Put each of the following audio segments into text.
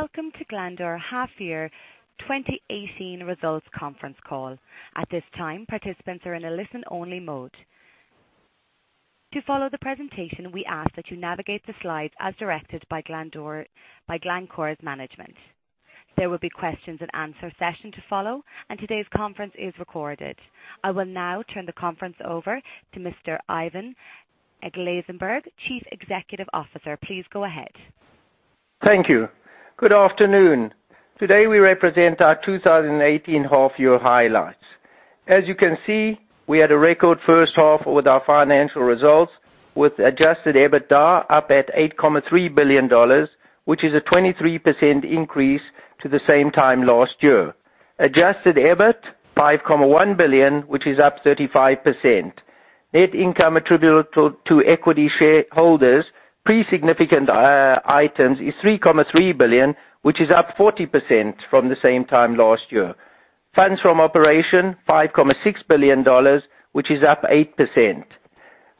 Welcome to Glencore Half Year 2018 Results Conference Call. At this time, participants are in a listen only mode. To follow the presentation, we ask that you navigate the slides as directed by Glencore's management. There will be questions and answer session to follow. Today's conference is recorded. I will now turn the conference over to Mr. Ivan Glasenberg, Chief Executive Officer. Please go ahead. Thank you. Good afternoon. Today we represent our 2018 half year highlights. As you can see, we had a record first half with our financial results, with adjusted EBITDA up at $8.3 billion, which is a 23% increase to the same time last year. Adjusted EBIT, $5.1 billion, which is up 35%. Net income attributable to equity shareholders, pre-significant items, is $3.3 billion, which is up 40% from the same time last year. Funds from operation, $5.6 billion, which is up 8%.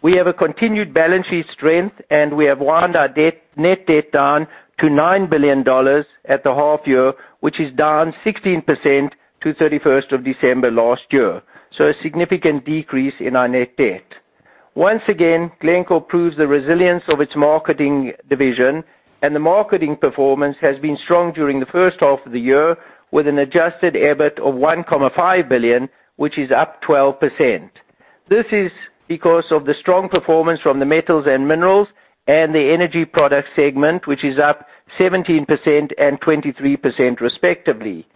We have a continued balance sheet strength. We have wound our net debt down to $9 billion at the half year, which is down 16% to 31st of December last year. A significant decrease in our net debt. Once again, Glencore proves the resilience of its marketing division. The marketing performance has been strong during the first half of the year, with an adjusted EBIT of $1.5 billion, which is up 12%. This is because of the strong performance from the metals and minerals and the energy product segment, which is up 17% and 23% respectively.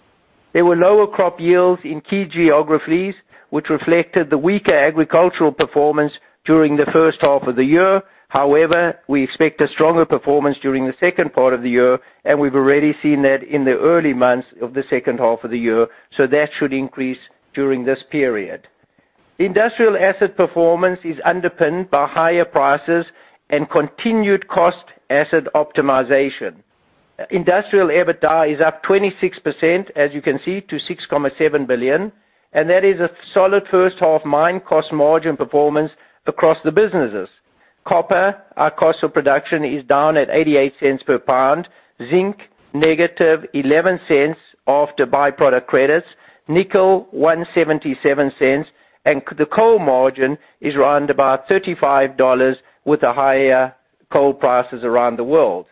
There were lower crop yields in key geographies, which reflected the weaker agricultural performance during the first half of the year. However, we expect a stronger performance during the second part of the year. We've already seen that in the early months of the second half of the year. That should increase during this period. Industrial asset performance is underpinned by higher prices and continued cost asset optimization. Industrial EBITDA is up 26%, as you can see, to $6.7 billion. That is a solid first half mine cost margin performance across the businesses. Copper, our cost of production is down at $0.88 per pound. Zinc, negative $0.11 after by-product credits. Nickel, $1.77. The coal margin is around about $35 with the higher coal prices around the world.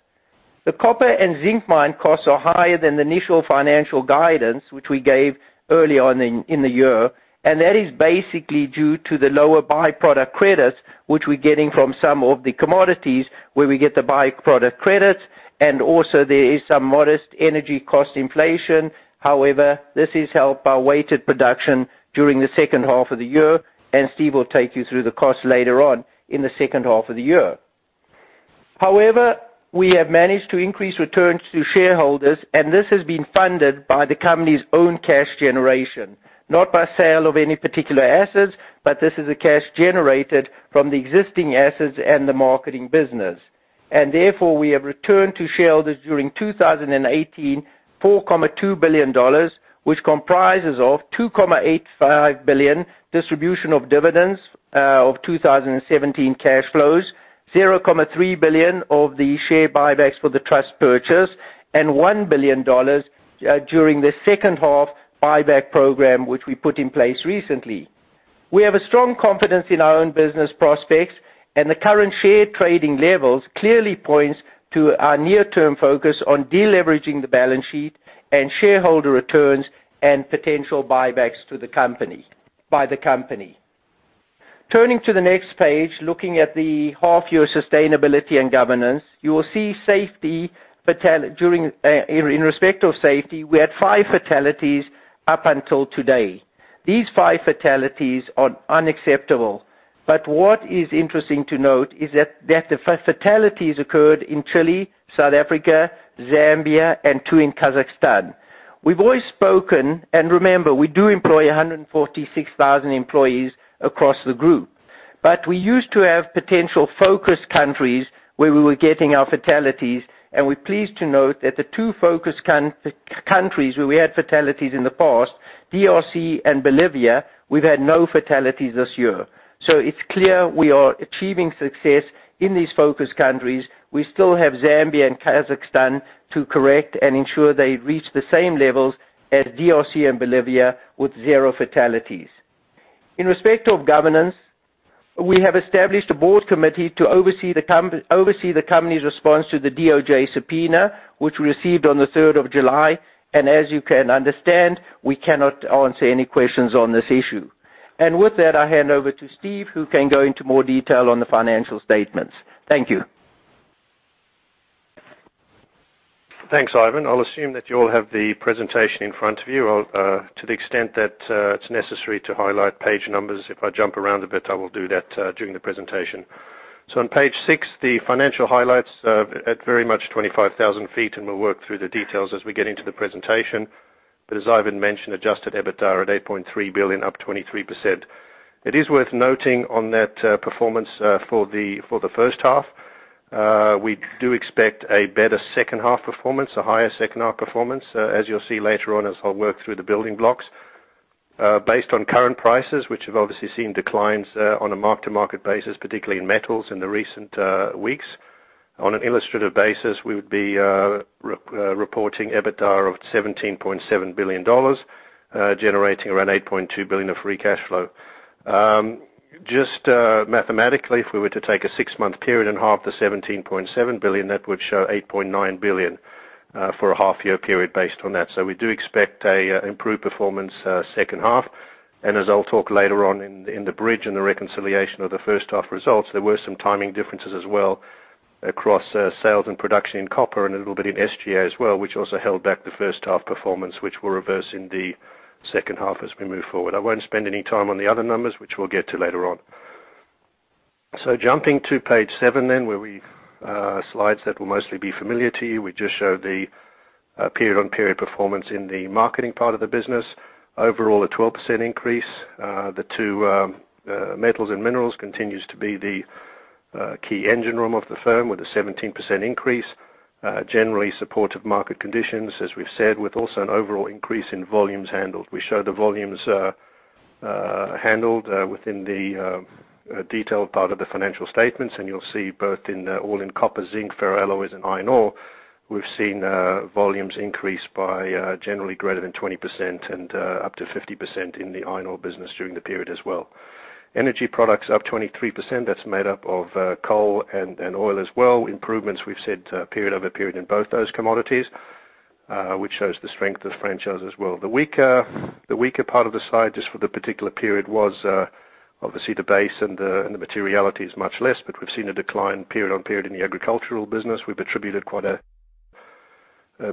The copper and zinc mine costs are higher than the initial financial guidance, which we gave early on in the year, and that is basically due to the lower by-product credits, which we're getting from some of the commodities where we get the by-product credits, and also there is some modest energy cost inflation. However, this is helped by weighted production during the second half of the year. Steven will take you through the costs later on in the second half of the year. However, we have managed to increase returns to shareholders. This has been funded by the company's own cash generation. Not by sale of any particular assets, but this is cash generated from the existing assets and the marketing business. Therefore, we have returned to shareholders during 2018, $4.2 billion, which comprises of $2.85 billion distribution of dividends of 2017 cash flows, $0.3 billion of the share buybacks for the trust purchase, and $1 billion during the second half buyback program, which we put in place recently. We have strong confidence in our own business prospects, and the current share trading levels clearly points to our near-term focus on deleveraging the balance sheet and shareholder returns and potential buybacks by the company. Turning to the next page, looking at the half year sustainability and governance. You will see safety. In respect of safety, we had five fatalities up until today. These five fatalities are unacceptable. What is interesting to note is that the five fatalities occurred in Chile, South Africa, Zambia, and two in Kazakhstan. We've always spoken, and remember, we do employ 146,000 employees across the group. We used to have potential focus countries where we were getting our fatalities, and we're pleased to note that the two focus countries where we had fatalities in the past, DRC and Bolivia, we've had no fatalities this year. It's clear we are achieving success in these focus countries. We still have Zambia and Kazakhstan to correct and ensure they reach the same levels as DRC and Bolivia with zero fatalities. In respect of governance, we have established a board committee to oversee the company's response to the DOJ subpoena, which we received on the 3rd of July. As you can understand, we cannot answer any questions on this issue. With that, I hand over to Steve, who can go into more detail on the financial statements. Thank you. Thanks, Ivan. I'll assume that you all have the presentation in front of you. To the extent that it's necessary to highlight page numbers, if I jump around a bit, I will do that during the presentation. On page six, the financial highlights are at very much 25,000 feet. We'll work through the details as we get into the presentation. As Ivan mentioned, adjusted EBITDA at $8.3 billion, up 23%. It is worth noting on that performance for the first half, we do expect a better second half performance, a higher second half performance, as you'll see later on as I work through the building blocks. Based on current prices, which have obviously seen declines on a mark-to-market basis, particularly in metals in the recent weeks. On an illustrative basis, we would be reporting EBITDA of $17.7 billion, generating around $8.2 billion of free cash flow. Just mathematically, if we were to take a six-month period and halve the $17.7 billion, that would show $8.9 billion for a half-year period based on that. We do expect an improved performance second half. As I'll talk later on in the bridge, in the reconciliation of the first half results, there were some timing differences as well across sales and production in copper and a little bit in SG&A as well, which also held back the first half performance, which we'll reverse in the second half as we move forward. I won't spend any time on the other numbers, which we'll get to later on. Jumping to page seven, slides that will mostly be familiar to you. We just showed the period-on-period performance in the marketing part of the business. Overall, a 12% increase. The two metals and minerals continues to be the key engine room of the firm with a 17% increase, generally supportive market conditions, as we've said, with also an overall increase in volumes handled. We show the volumes handled within the detailed part of the financial statements, and you'll see both in all in copper, zinc, ferroalloys and iron ore, we've seen volumes increase by generally greater than 20% and up to 50% in the iron ore business during the period as well. Energy products up 23%. That's made up of coal and oil as well. Improvements we've seen period over period in both those commodities, which shows the strength of the franchise as well. The weaker part of the slide, just for the particular period was obviously the base and the materiality is much less, but we've seen a decline period on period in the agricultural business. We've attributed quite a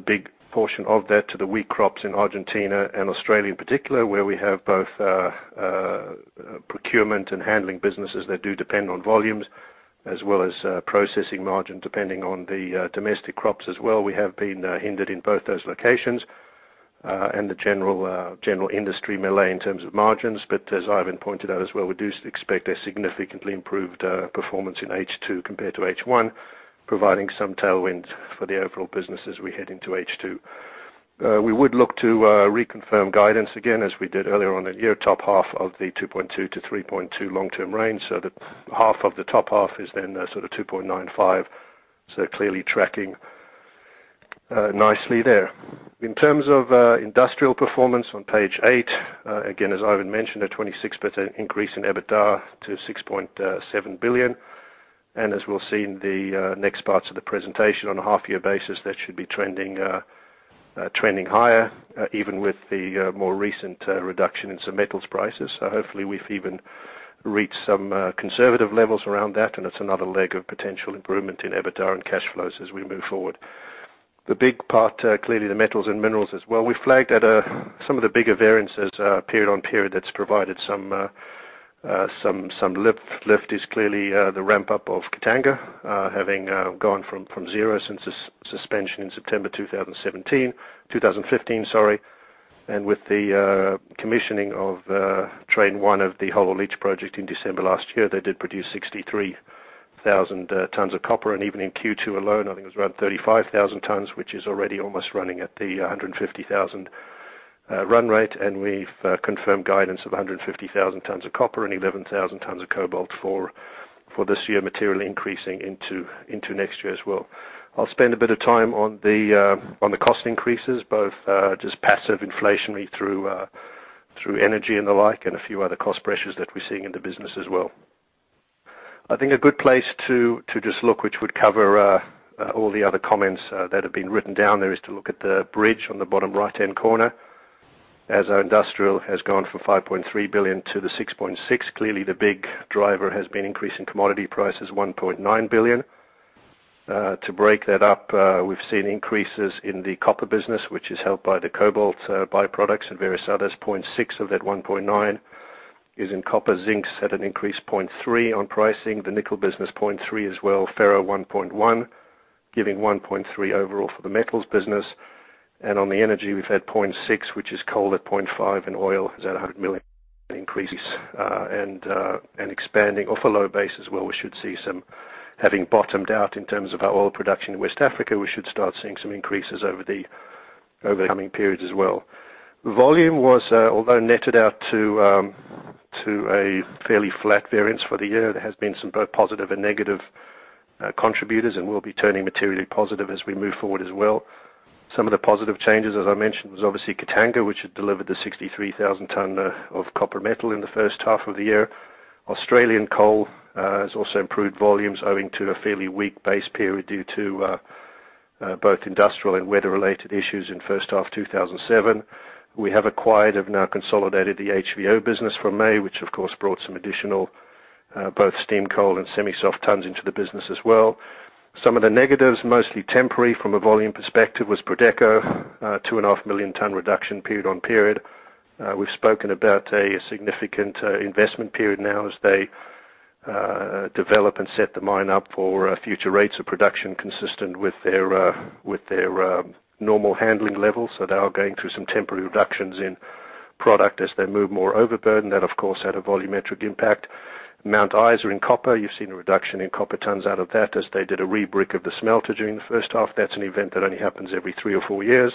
big portion of that to the weak crops in Argentina and Australia in particular, where we have both procurement and handling businesses that do depend on volumes as well as processing margin, depending on the domestic crops as well. We have been hindered in both those locations, and the general industry melee in terms of margins. As Ivan pointed out as well, we do expect a significantly improved performance in H2 compared to H1, providing some tailwind for the overall business as we head into H2. We would look to reconfirm guidance again, as we did earlier on the year top half of the $2.2 billion-$3.2 billion long-term range, that half of the top half is then sort of $2.95 billion. Clearly tracking nicely there. In terms of industrial performance on page eight, again, as Ivan mentioned, a 26% increase in EBITDA to $6.7 billion. As we'll see in the next parts of the presentation on a half-year basis, that should be trending higher even with the more recent reduction in some metals prices. Hopefully we've even reached some conservative levels around that, and it's another leg of potential improvement in EBITDA and cash flows as we move forward. The big part, clearly the metals and minerals as well. We flagged at some of the bigger variances period on period that's provided some lift is clearly the ramp-up of Katanga, having gone from zero since its suspension in September 2017, 2015, sorry. With the commissioning of train one of the Whole Ore Leach project in December last year, they did produce 63,000 tons of copper. Even in Q2 alone, I think it was around 35,000 tons, which is already almost running at the 150,000 run rate. We've confirmed guidance of 150,000 tons of copper and 11,000 tons of cobalt for this year, materially increasing into next year as well. I'll spend a bit of time on the cost increases, both just passive inflationary through energy and the like, and a few other cost pressures that we're seeing in the business as well. I think a good place to just look, which would cover all the other comments that have been written down there, is to look at the bridge on the bottom right-hand corner. As our industrial has gone from $5.3 billion to the $6.6 billion, clearly the big driver has been increase in commodity prices, $1.9 billion. To break that up, we've seen increases in the copper business, which is helped by the cobalt byproducts and various others. $0.6 billion of that $1.9 billion is in copper, zinc at an increased $0.3 billion on pricing. The nickel business $0.3 billion as well. Ferro $1.1 billion, giving $1.3 billion overall for the metals business. On the energy we've had $0.6 billion, which is coal at $0.5 billion and oil is at $100 million increases. Expanding off a low base as well, we should see some having bottomed out in terms of our oil production in West Africa, we should start seeing some increases over the coming periods as well. Volume was although netted out to a fairly flat variance for the year, there has been some both positive and negative contributors and will be turning materially positive as we move forward as well. Some of the positive changes, as I mentioned, was obviously Katanga, which had delivered the 63,000 tons of copper metal in the first half of the year. Australian coal has also improved volumes owing to a fairly weak base period due to both industrial and weather-related issues in H1 2017. We have acquired, have now consolidated the HVO business from May, which of course brought some additional both steam coal and semi-soft tons into the business as well. Some of the negatives, mostly temporary from a volume perspective, was Prodeco, two and a half million tons reduction period on period. We've spoken about a significant investment period now as they develop and set the mine up for future rates of production consistent with their normal handling levels. They are going through some temporary reductions in product as they move more overburden. That, of course, had a volumetric impact Mount Isa in copper, you've seen a reduction in copper tons out of that as they did a rebrick of the smelter during the first half. That's an event that only happens every three or four years.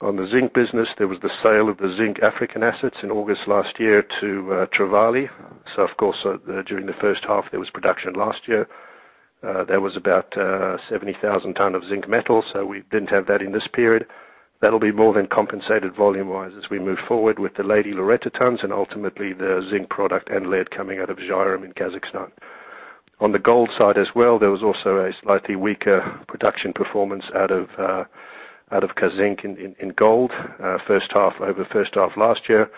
On the zinc business, there was the sale of the Zinc African assets in August last year to Trevali. Of course, during the first half, there was production last year. There was about 70,000 tons of zinc metal. We didn't have that in this period. That'll be more than compensated volume-wise as we move forward with the Lady Loretta tons and ultimately the zinc product and lead coming out of Zhairem in Kazakhstan. On the gold side as well, there was also a slightly weaker production performance out of Kazzinc in gold over the first half last year.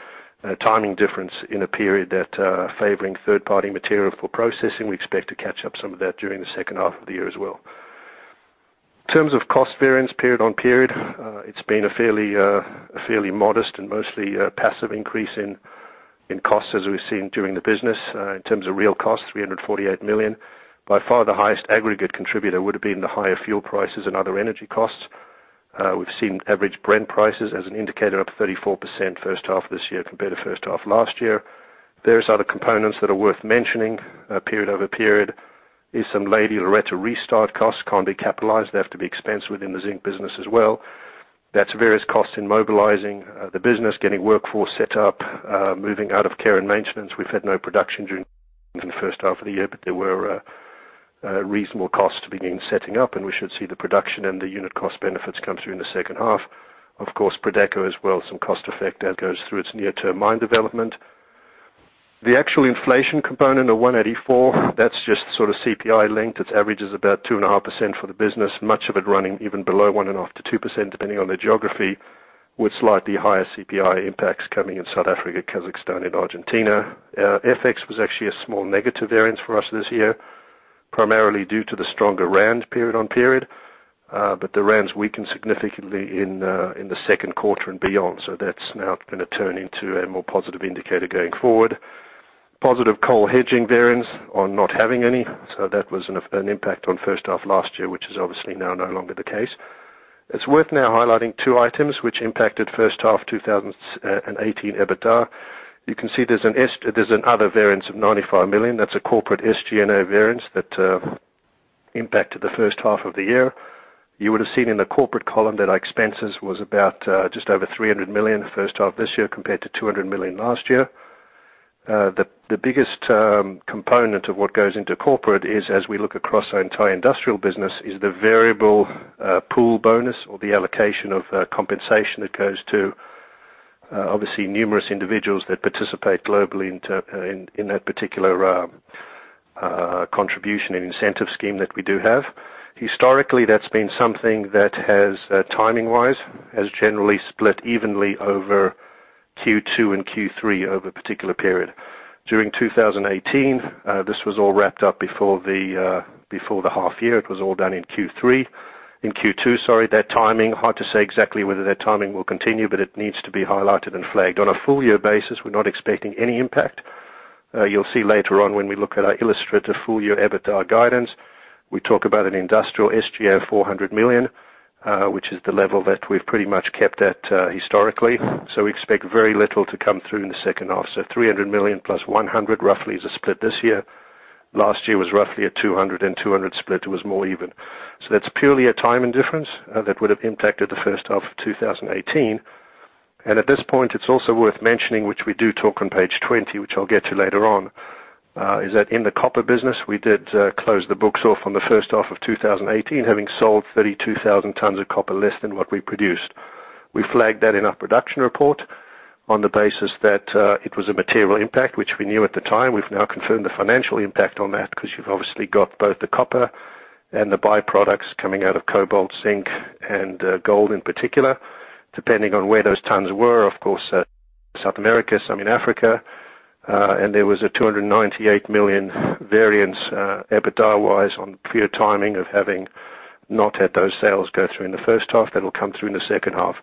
Timing difference in a period that favoring third-party material for processing. We expect to catch up some of that during the second half of the year as well. In terms of cost variance period-on-period, it's been a fairly modest and mostly passive increase in costs as we've seen during the business. In terms of real cost, $348 million. By far the highest aggregate contributor would have been the higher fuel prices and other energy costs. We've seen average Brent prices as an indicator up 34% first half this year compared to first half last year. Various other components that are worth mentioning period-over-period is some Lady Loretta restart costs, can't be capitalized. They have to be expensed within the zinc business as well. That's various costs in mobilizing the business, getting workforce set up, moving out of care and maintenance. We've had no production during the first half of the year, but there were reasonable costs to begin setting up, and we should see the production and the unit cost benefits come through in the second half. Of course, Prodeco as well, some cost effect as it goes through its near-term mine development. The actual inflation component of $184, that's just sort of CPI-linked. Its average is about 2.5% for the business, much of it running even below one and a half to 2% depending on the geography, with slightly higher CPI impacts coming in South Africa, Kazakhstan and Argentina. FX was actually a small negative variance for us this year, primarily due to the stronger rand period-on-period. The rand's weakened significantly in the second quarter and beyond. That's now going to turn into a more positive indicator going forward. Positive coal hedging variance on not having any. That was an impact on first half last year, which is obviously now no longer the case. It's worth now highlighting two items which impacted first half 2018 EBITDA. You can see there's an other variance of $95 million. That's a corporate SG&A variance that impacted the first half of the year. You would have seen in the corporate column that our expenses was about just over $300 million the first half this year compared to $200 million last year. The biggest component of what goes into corporate is as we look across our entire industrial business is the variable pool bonus or the allocation of compensation that goes to obviously numerous individuals that participate globally in that particular contribution and incentive scheme that we do have. Historically, that's been something that has, timing-wise, has generally split evenly over Q2 and Q3 over a particular period. During 2018, this was all wrapped up before the half year. It was all done in Q3. In Q2, sorry, that timing, hard to say exactly whether that timing will continue, but it needs to be highlighted and flagged. On a full-year basis, we're not expecting any impact. You'll see later on when we look at our illustrative full-year EBITDA guidance, we talk about an industrial SG&A $400 million, which is the level that we've pretty much kept at historically. We expect very little to come through in the second half. $300 million plus $100 million roughly is a split this year. Last year was roughly a $200 million and $200 million split. It was more even. That's purely a timing difference that would have impacted the first half of 2018. At this point, it's also worth mentioning, which we do talk on page 20, which I'll get to later on, is that in the copper business, we did close the books off on the first half of 2018, having sold 32,000 tons of copper less than what we produced. We flagged that in our production report on the basis that it was a material impact, which we knew at the time. We've now confirmed the financial impact on that because you've obviously got both the copper and the byproducts coming out of cobalt, zinc, and gold in particular, depending on where those tons were. Of course, South America, some in Africa. There was a $298 million variance EBITDA-wise on pure timing of having not had those sales go through in the first half. That will come through in the second half.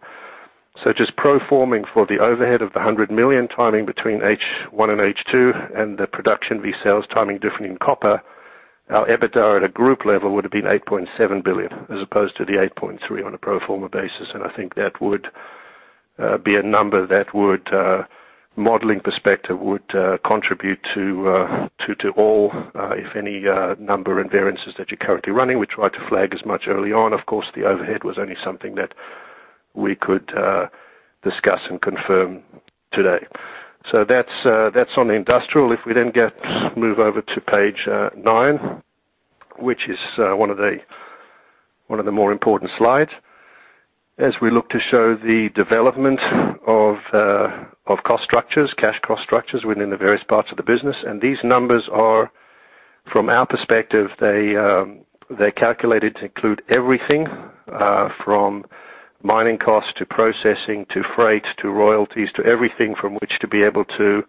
Just pro forming for the overhead of the $100 million timing between H1 and H2 and the production V sales timing differing in copper, our EBITDA at a group level would have been $8.7 billion as opposed to the $8.3 billion on a pro forma basis, I think that would be a number that would, modeling perspective, would contribute to all, if any, number and variances that you're currently running. We tried to flag as much early on. Of course, the overhead was only something that we could discuss and confirm today. That's on the industrial. If we move over to page nine, which is one of the more important slides as we look to show the development of cost structures, cash cost structures within the various parts of the business. These numbers are, from our perspective, they're calculated to include everything from mining costs to processing, to freight, to royalties, to everything from which to be able to,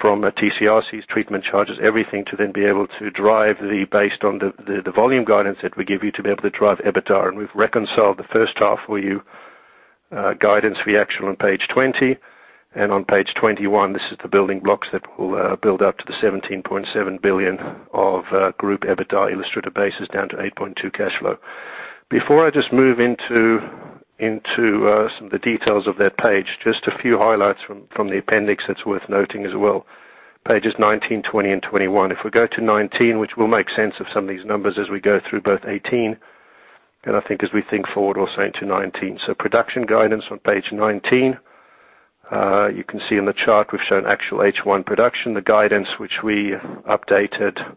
from a TC/RCs, treatment charges, everything to then be able to drive based on the volume guidance that we give you to be able to drive EBITDA. We've reconciled the first half for you, guidance re-action on page 20. On page 21, this is the building blocks that will build up to the $17.7 billion of group EBITDA illustrative basis down to $8.2 billion cash flow. Before I just move into some of the details of that page, just a few highlights from the appendix that's worth noting as well, pages 19, 20, and 21. If we go to 19, which will make sense of some of these numbers as we go through both 2018, and I think as we think forward also into 2019. Production guidance on page 19. You can see in the chart we've shown actual H1 production, the guidance which we updated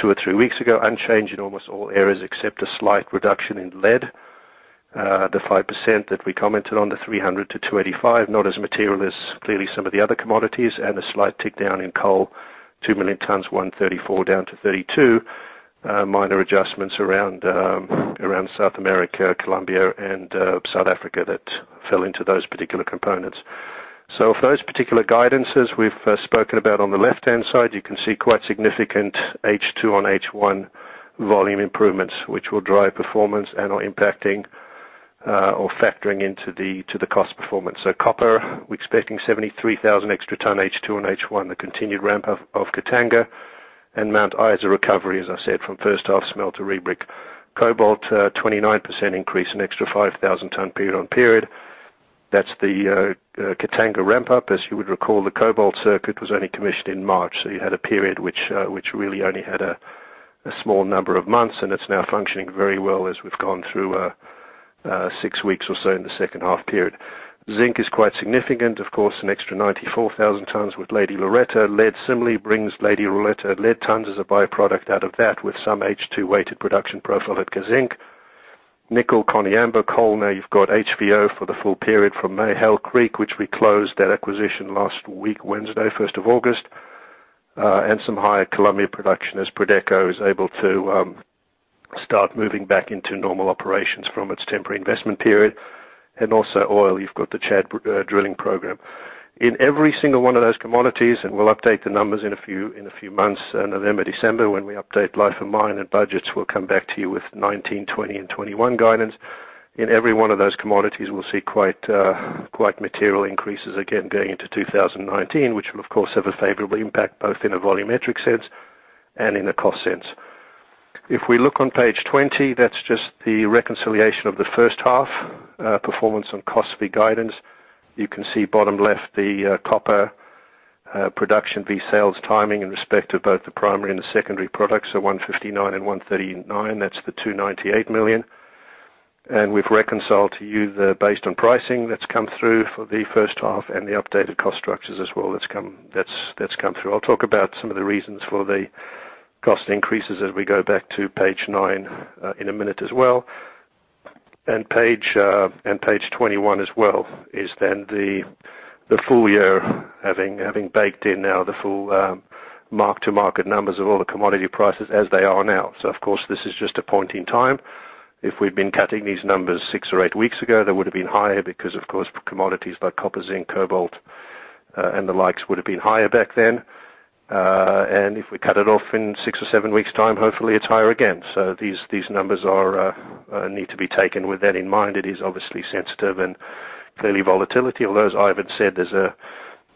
two or three weeks ago, unchanged in almost all areas except a slight reduction in lead. The 5% that we commented on, the 300 to 285, not as material as clearly some of the other commodities, and a slight tick down in coal, 2 million tons, 134 down to 32. Minor adjustments around South America, Colombia, and South Africa that fell into those particular components. For those particular guidances we've spoken about on the left-hand side, you can see quite significant H2 on H1 volume improvements, which will drive performance and are impacting or factoring into the cost performance. Copper, we're expecting 73,000 extra tons H2 on H1, the continued ramp-up of Katanga and Mount Isa recovery, as I said, from first half smelt to rebrick. Cobalt, 29% increase, an extra 5,000 tons period on period. That's the Katanga ramp-up. As you would recall, the cobalt circuit was only commissioned in March, so you had a period which really only had a small number of months, and it's now functioning very well as we've gone through six weeks or so in the second half period. Zinc is quite significant, of course, an extra 94,000 tons with Lady Loretta. Lead similarly brings Lady Loretta lead tons as a by-product out of that, with some H2-weighted production profile at Kazzinc. Nickel, Koniambo. Coal, now you've got HVO for the full period from Hail Creek, which we closed that acquisition last week, Wednesday, 1st of August, and some higher Colombia production as Prodeco is able to start moving back into normal operations from its temporary investment period. Also oil, you've got the Chad drilling program. In every single one of those commodities, and we'll update the numbers in a few months, November, December, when we update life of mine and budgets, we'll come back to you with 2019, 2020, and 2021 guidance. In every one of those commodities, we'll see quite material increases again going into 2019, which will of course have a favorable impact both in a volumetric sense and in a cost sense. If we look on page 20, that's just the reconciliation of the first half performance on costs versus guidance. You can see bottom left, the copper production versus sales timing in respect to both the primary and the secondary products, so 159 and 139, that's the $298 million. We've reconciled to you based on pricing that's come through for the first half and the updated cost structures as well that's come through. I'll talk about some of the reasons for the cost increases as we go back to page nine in a minute as well. Page 21 as well is then the full year, having baked in now the full mark-to-market numbers of all the commodity prices as they are now. Of course, this is just a point in time. If we'd been cutting these numbers six or eight weeks ago, they would have been higher because, of course, commodities like copper, zinc, cobalt, and the likes would have been higher back then. If we cut it off in six or seven weeks' time, hopefully it's higher again. These numbers need to be taken with that in mind. It is obviously sensitive and clearly volatility, although as Ivan said,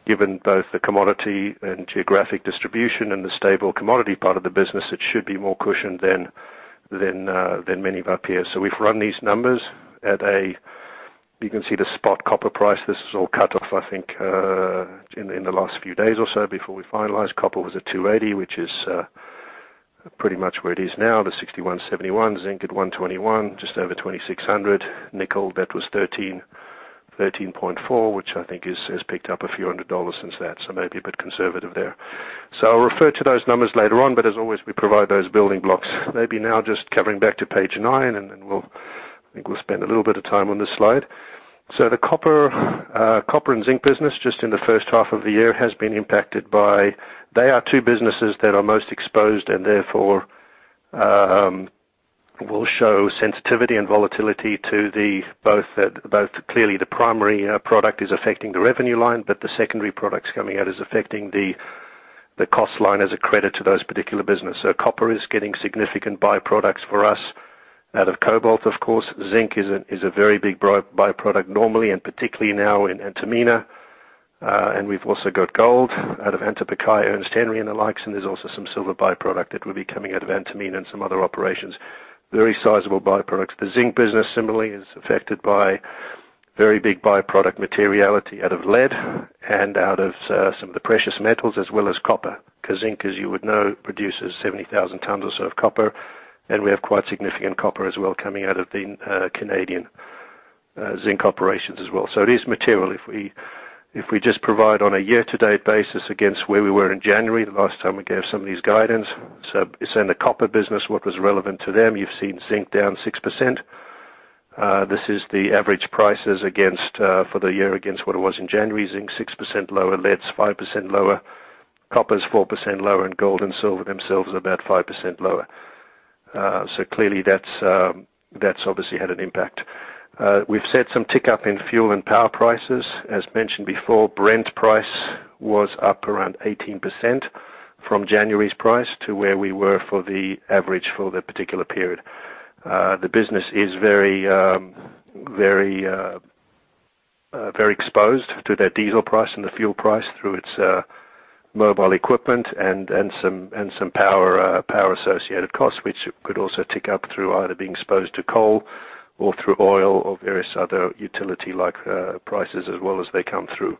given both the commodity and geographic distribution and the stable commodity part of the business, it should be more cushioned than many of our peers. We've run these numbers. You can see the spot copper price. This is all cut off, I think, in the last few days or so before we finalized. Copper was at $2.80, which is pretty much where it is now, the $6,171. Zinc at $1.21, just over $2,600. Nickel, that was $13.4, which I think has picked up a few hundred dollars since that, so maybe a bit conservative there. I'll refer to those numbers later on, but as always, we provide those building blocks. Maybe now just covering back to page nine, then I think we'll spend a little bit of time on this slide. The copper and zinc business, just in the first half of the year, has been impacted by, they are two businesses that are most exposed and therefore will show sensitivity and volatility to both. Clearly, the primary product is affecting the revenue line, but the secondary products coming out is affecting the cost line as a credit to those particular business. Copper is getting significant by-products for us out of cobalt, of course. Zinc is a very big by-product normally and particularly now in Antamina. We've also got gold out of Antapaccay, Ernest Henry, and the likes, and there's also some silver by-product that will be coming out of Antamina and some other operations. Very sizable by-products. The zinc business similarly is affected by very big by-product materiality out of lead and out of some of the precious metals as well as copper. Kazzinc, as you would know, produces 70,000 tons or so of copper, and we have quite significant copper as well coming out of the Canadian zinc operations as well. It is material. If we just provide on a year-to-date basis against where we were in January, the last time we gave some of these guidance. In the copper business, what was relevant to them, you've seen zinc down 6%. This is the average prices for the year against what it was in January. Zinc 6% lower, lead's 5% lower, copper's 4% lower, and gold and silver themselves about 5% lower. Clearly that's obviously had an impact. We've seen some tick up in fuel and power prices. As mentioned before, Brent price was up around 18% from January's price to where we were for the average for the particular period. The business is very exposed to that diesel price and the fuel price through its mobile equipment and some power associated costs, which could also tick up through either being exposed to coal or through oil or various other utility-like prices as well as they come through.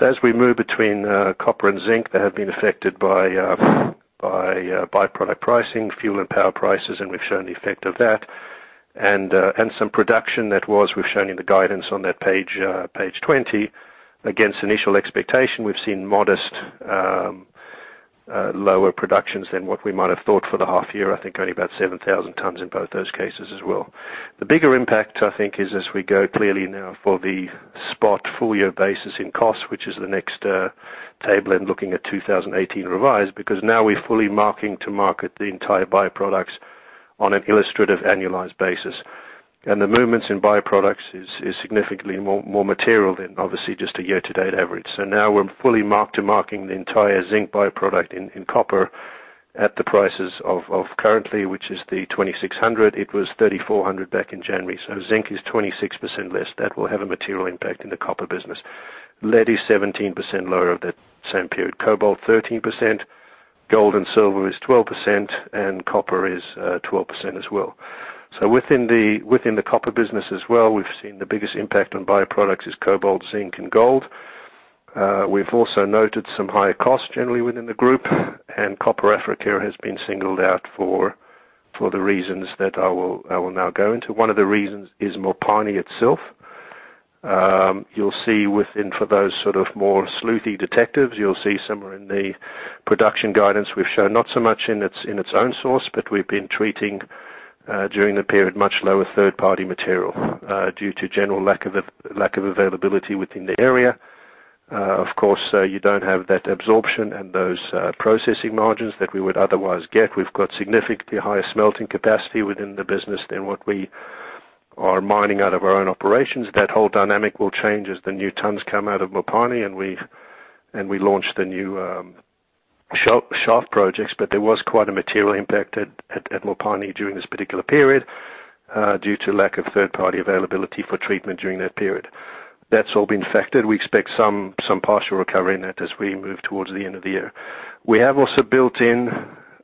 As we move between copper and zinc, they have been affected by byproduct pricing, fuel and power prices, and we've shown the effect of that. Some production that we've shown in the guidance on that page 20. Against initial expectation, we've seen modest lower productions than what we might have thought for the half year. I think only about 7,000 tons in both those cases as well. The bigger impact, I think, is as we go clearly now for the spot full year basis in costs, which is the next table, looking at 2018 revised, because now we're fully mark-to-marketing the entire byproducts on an illustrative annualized basis. The movements in byproducts is significantly more material than, obviously, just a year-to-date average. Now we're fully mark-to-marketing the entire zinc byproduct in copper at the prices of currently, which is the $2,600. It was $3,400 back in January. Zinc is 26% less. That will have a material impact in the copper business. Lead is 17% lower of that same period. Cobalt, 13%, gold and silver is 12%, and copper is 12% as well. Within the copper business as well, we've seen the biggest impact on byproducts is cobalt, zinc, and gold. We've also noted some higher costs generally within the group, and Copper Africa has been singled out for the reasons that I will now go into. One of the reasons is Mopani itself. You'll see within, for those more sleuthy detectives, you'll see somewhere in the production guidance we've shown, not so much in its own source, but we've been treating during the period much lower third-party material due to general lack of availability within the area. Of course, you don't have that absorption and those processing margins that we would otherwise get. We've got significantly higher smelting capacity within the business than what we are mining out of our own operations. That whole dynamic will change as the new tons come out of Mopani and we launch the new shaft projects. There was quite a material impact at Mopani during this particular period due to lack of third-party availability for treatment during that period. That's all been factored. We expect some partial recovery in that as we move towards the end of the year. We have also built in,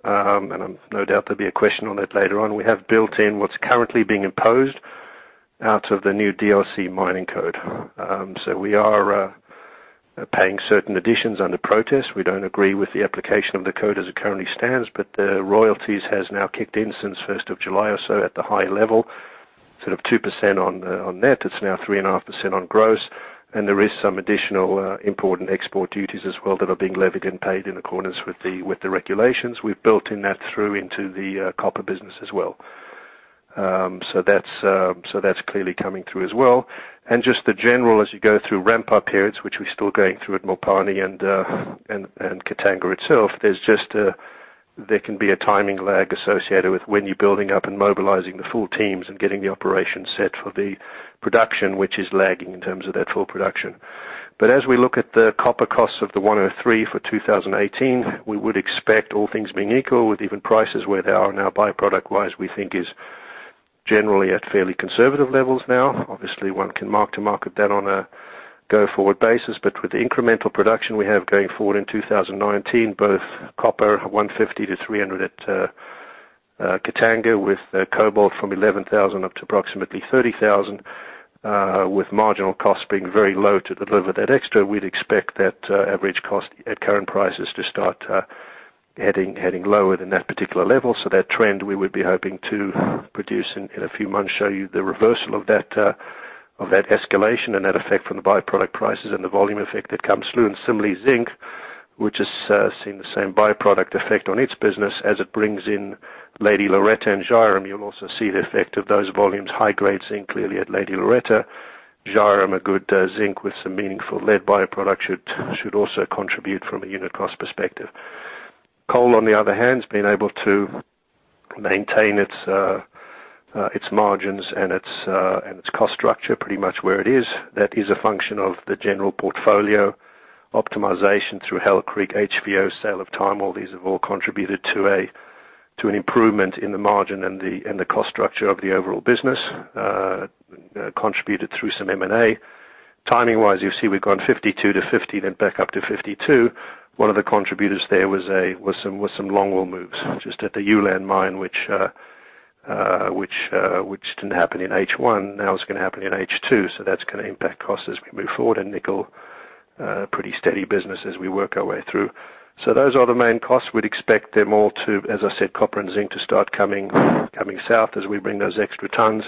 and no doubt there'll be a question on that later on, we have built in what's currently being imposed out of the new DRC mining code. We are paying certain additions under protest. We don't agree with the application of the code as it currently stands, the royalties has now kicked in since 1st of July or so at the high level, 2% on net. It's now 3.5% on gross. There is some additional important export duties as well that are being levied and paid in accordance with the regulations. We've built in that through into the copper business as well. That's clearly coming through as well. Just the general, as you go through ramp-up periods, which we're still going through at Mopani and Katanga itself, there can be a timing lag associated with when you're building up and mobilizing the full teams and getting the operation set for the production, which is lagging in terms of that full production. As we look at the copper costs of the $103 for 2018, we would expect all things being equal with even prices where they are now byproduct-wise, we think is generally at fairly conservative levels now. One can mark to market that on a go-forward basis, with the incremental production we have going forward in 2019, both copper, 150-300 at Katanga with cobalt from 11,000 up to approximately 30,000, with marginal costs being very low to deliver that extra, we'd expect that average cost at current prices to start heading lower than that particular level. That trend we would be hoping to produce in a few months, show you the reversal of that escalation and that effect from the byproduct prices and the volume effect that comes through. Similarly, zinc, which has seen the same byproduct effect on its business as it brings in Lady Loretta and Zhairem, you'll also see the effect of those volumes. High-grade zinc clearly at Lady Loretta. Zhairem, a good zinc with some meaningful lead byproduct should also contribute from a unit cost perspective. Coal, on the other hand, has been able to maintain its margins and its cost structure pretty much where it is. That is a function of the general portfolio optimization through Hail Creek, HVO, sale of Tahmoor, these have all contributed to an improvement in the margin and the cost structure of the overall business, contributed through some M&A. Timing-wise, you'll see we've gone 52 to 50, then back up to 52. One of the contributors there was some long wall moves just at the Ulan mine, which didn't happen in H1. Now it's going to happen in H2, that's going to impact costs as we move forward. Nickel, pretty steady business as we work our way through. Those are the main costs. We'd expect them all to, as I said, copper and zinc to start coming south as we bring those extra tons.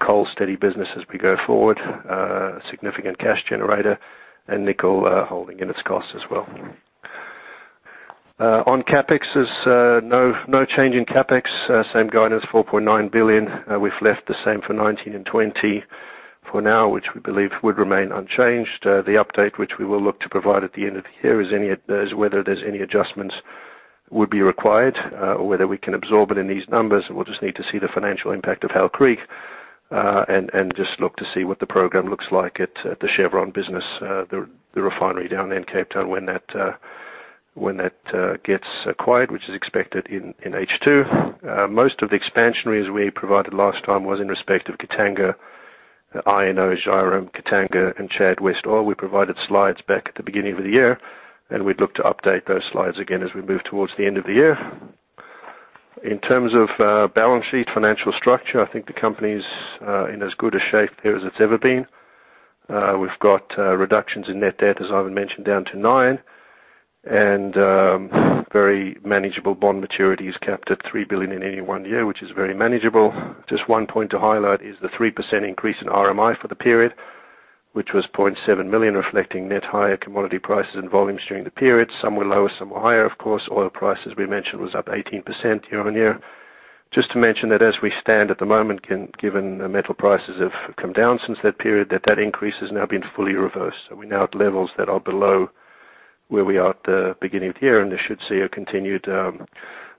Coal, steady business as we go forward. Significant cash generator and nickel holding in its costs as well. On CapEx, there's no change in CapEx. Same guidance, $4.9 billion. We've left the same for 2019 and 2020 for now, which we believe would remain unchanged. The update which we will look to provide at the end of the year is whether there's any adjustments would be required or whether we can absorb it in these numbers. We'll just need to see the financial impact of Hail Creek and just look to see what the program looks like at the Chevron business, the refinery down in Cape Town when that gets acquired, which is expected in H2. Most of the expansion areas we provided last time was in respect of Katanga, INO, Zhairem, Katanga, and Chad West Oil. We provided slides back at the beginning of the year, we'd look to update those slides again as we move towards the end of the year. In terms of balance sheet financial structure, I think the company's in as good a shape here as it's ever been. We've got reductions in net debt, as Ivan mentioned, down to $9 billion, and very manageable bond maturity is capped at $3 billion in any one year, which is very manageable. Just one point to highlight is the 3% increase in RMI for the period, which was $0.7 million, reflecting net higher commodity prices and volumes during the period. Some were lower, some were higher, of course. Oil price, as we mentioned, was up 18% year-on-year. Just to mention that as we stand at the moment, given the metal prices have come down since that period, that increase has now been fully reversed. We're now at levels that are below where we are at the beginning of the year, and this should see a continued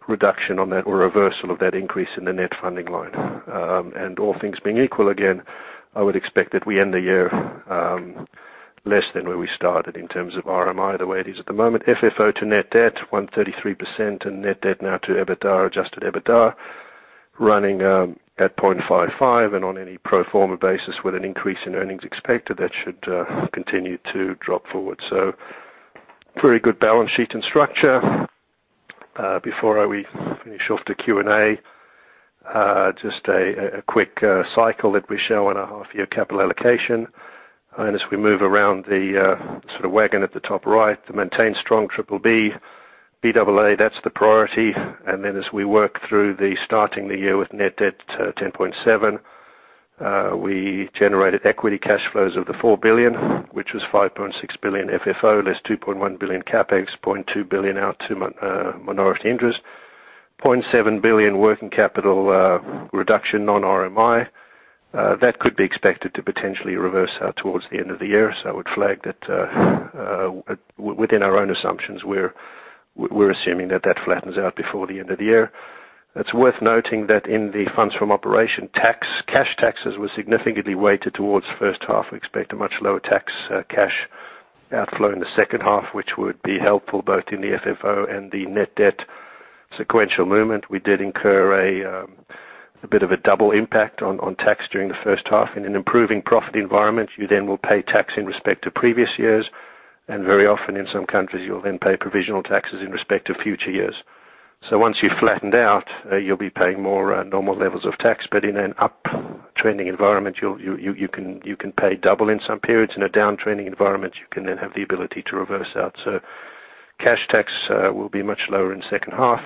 reduction on that or reversal of that increase in the net funding line. All things being equal again, I would expect that we end the year less than where we started in terms of RMI, the way it is at the moment. FFO to net debt, 133%, and net debt now to EBITDA, adjusted EBITDA, running at 0.55 and on any pro forma basis with an increase in earnings expected, that should continue to drop forward. Pretty good balance sheet and structure. Before we finish off the Q&A, just a quick cycle that we show on our half year capital allocation. As we move around the wagon at the top right, to maintain strong BBB, Baa, that's the priority. As we work through the starting the year with net debt $10.7 billion, we generated equity cash flows of the $4 billion, which was $5.6 billion FFO, less $2.1 billion CapEx, $0.2 billion out to minority interest, $0.7 billion working capital reduction non-RMI. That could be expected to potentially reverse out towards the end of the year. I would flag that within our own assumptions, we're assuming that that flattens out before the end of the year. It's worth noting that in the funds from operation tax, cash taxes were significantly weighted towards the first half. We expect a much lower tax cash outflow in the second half, which would be helpful both in the FFO and the net debt sequential movement. We did incur a bit of a double impact on tax during the first half. In an improving profit environment, you then will pay tax in respect to previous years, and very often in some countries, you'll then pay provisional taxes in respect to future years. Once you've flattened out, you'll be paying more normal levels of tax. In an up trending environment, you can pay double in some periods. In a down trending environment, you can then have the ability to reverse out. Cash tax will be much lower in second half.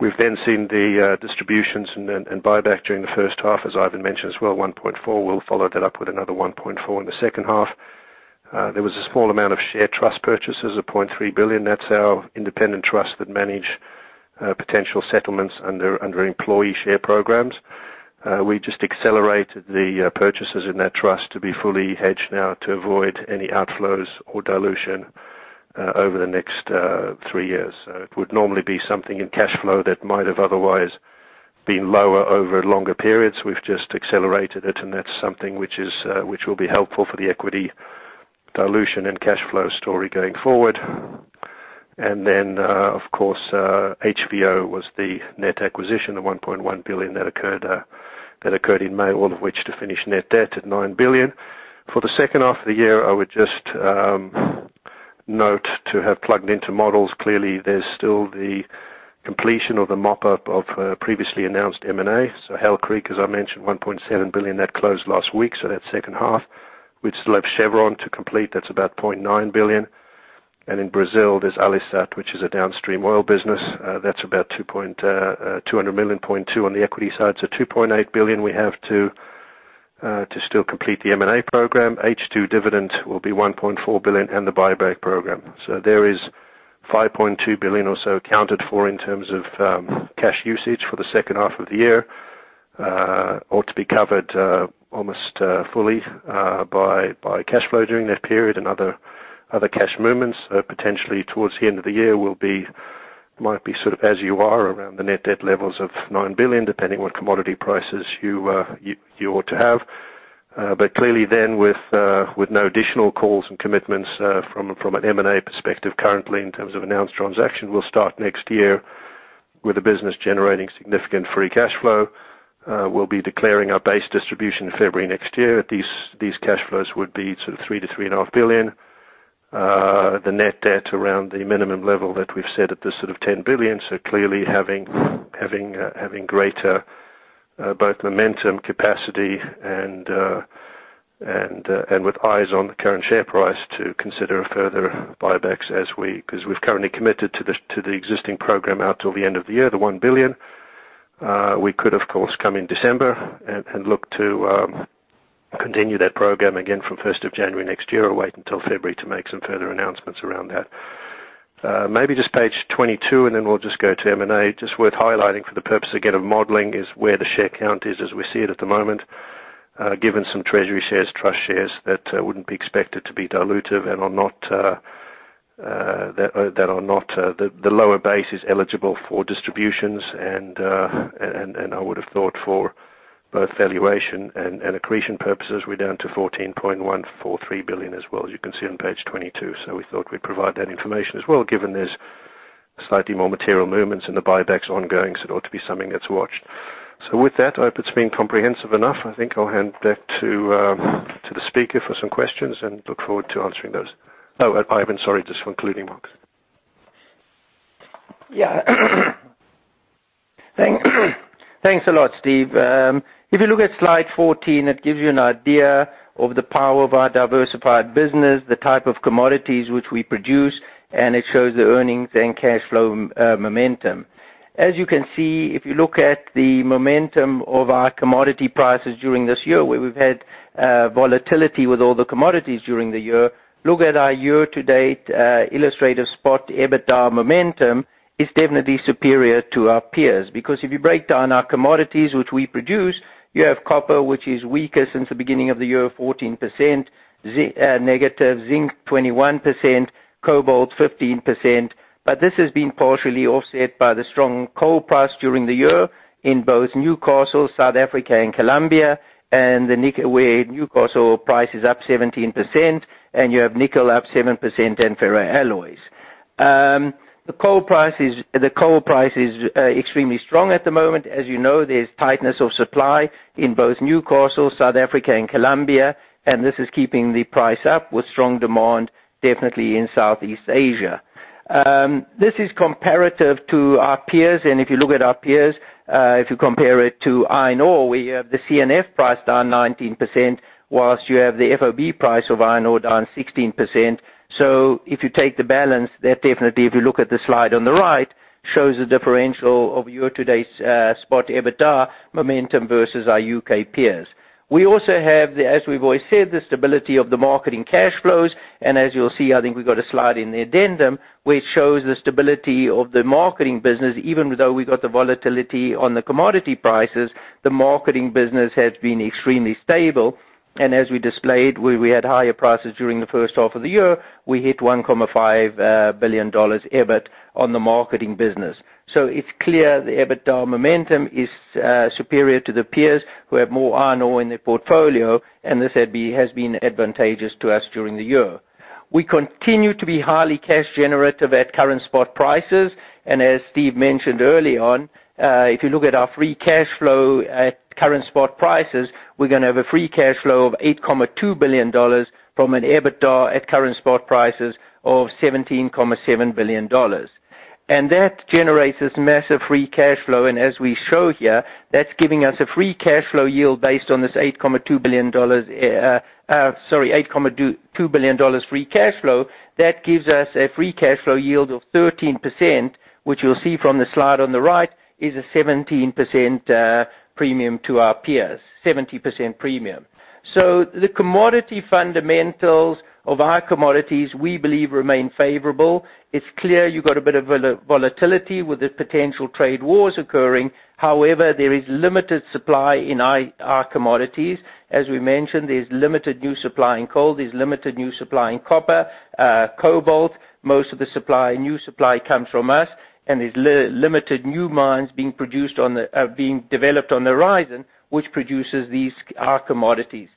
We've then seen the distributions and buyback during the first half, as Ivan mentioned as well, $1.4 billion. We'll follow that up with another $1.4 billion in the second half. There was a small amount of share trust purchases of $0.3 billion. That's our independent trust that manage potential settlements under employee share programs. We just accelerated the purchases in that trust to be fully hedged now to avoid any outflows or dilution over the next three years. It would normally be something in cash flow that might have otherwise been lower over longer periods. We've just accelerated it, and that's something which will be helpful for the equity dilution and cash flow story going forward. Of course, HVO was the net acquisition of $1.1 billion that occurred in May, all of which to finish net debt at $9 billion. For the second half of the year, I would just note to have plugged into models. Clearly, there's still the completion of the mop-up of previously announced M&A. Hail Creek, as I mentioned, $1.7 billion. That closed last week, that is second half. We still have Chevron to complete. That is about $0.9 billion. In Brazil, there is Alesat, which is a downstream oil business. That is about $200 million, $0.2 billion on the equity side. $2.8 billion we have to still complete the M&A program. H2 dividend will be $1.4 billion and the buyback program. There is $5.2 billion or so accounted for in terms of cash usage for the second half of the year. Ought to be covered almost fully by cash flow during that period and other cash movements. Potentially towards the end of the year might be sort of as you are around the net debt levels of $9 billion, depending what commodity prices you ought to have. Clearly then with no additional calls and commitments from an M&A perspective currently in terms of announced transaction, we will start next year with the business generating significant free cash flow. We will be declaring our base distribution in February next year. These cash flows would be sort of $3 billion to $3.5 billion. The net debt around the minimum level that we have set at the sort of $10 billion. Clearly having greater both momentum, capacity, and with eyes on the current share price to consider further buybacks as we because we have currently committed to the existing program out till the end of the year, the $1 billion. We could, of course, come in December and look to continue that program again from 1st of January next year or wait until February to make some further announcements around that. Maybe just page 22, then we will just go to M&A. Just worth highlighting for the purpose, again, of modeling is where the share count is as we see it at the moment, given some treasury shares, trust shares that would not be expected to be dilutive and that are not the lower base is eligible for distributions. I would have thought for both valuation and accretion purposes, we are down to 14.143 billion as well, as you can see on page 22. We thought we would provide that information as well, given there is slightly more material movements and the buyback is ongoing, it ought to be something that is watched. With that, I hope it has been comprehensive enough. I think I will hand back to the speaker for some questions and look forward to answering those. Oh, Ivan, sorry, just concluding marks. Thanks a lot, Steven. If you look at slide 14, it gives you an idea of the power of our diversified business, the type of commodities which we produce, and it shows the earnings and cash flow momentum. As you can see, if you look at the momentum of our commodity prices during this year, where we have had volatility with all the commodities during the year, look at our year-to-date illustrative spot, EBITDA momentum is definitely superior to our peers. If you break down our commodities which we produce, you have copper, which is weaker since the beginning of the year, 14% negative, zinc 21%, cobalt 15%. This has been partially offset by the strong coal price during the year in both Newcastle, South Africa, and Colombia, where Newcastle price is up 17% and you have nickel up 7% and ferroalloys. The coal price is extremely strong at the moment. As you know, there's tightness of supply in both Newcastle, South Africa, and Colombia, this is keeping the price up with strong demand, definitely in Southeast Asia. This is comparative to our peers, if you look at our peers, if you compare it to iron ore, we have the CNF price down 19%, whilst you have the FOB price of iron ore down 16%. If you take the balance, that definitely, if you look at the slide on the right, shows a differential of year-to-date spot EBITDA momentum versus our U.K. peers. We also have, as we've always said, the stability of the marketing cash flows, as you'll see, I think we've got a slide in the addendum which shows the stability of the marketing business. Even though we got the volatility on the commodity prices, the marketing business has been extremely stable. As we displayed, where we had higher prices during the first half of the year, we hit $1.5 billion EBIT on the marketing business. It's clear the EBITDA momentum is superior to the peers who have more iron ore in their portfolio, this has been advantageous to us during the year. We continue to be highly cash generative at current spot prices, as Steve mentioned early on, if you look at our free cash flow at current spot prices, we're going to have a free cash flow of $8.2 billion from an EBITDA at current spot prices of $17.7 billion. That generates this massive free cash flow, as we show here, that's giving us a free cash flow yield based on this $8.2 billion free cash flow. That gives us a free cash flow yield of 13%, which you'll see from the slide on the right is a 17% premium to our peers. The commodity fundamentals of our commodities, we believe, remain favorable. It's clear you've got a bit of volatility with the potential trade wars occurring. However, there is limited supply in our commodities. As we mentioned, there's limited new supply in coal, there's limited new supply in copper. Cobalt, most of the new supply comes from us, there's limited new mines being developed on the horizon, which produces our commodities.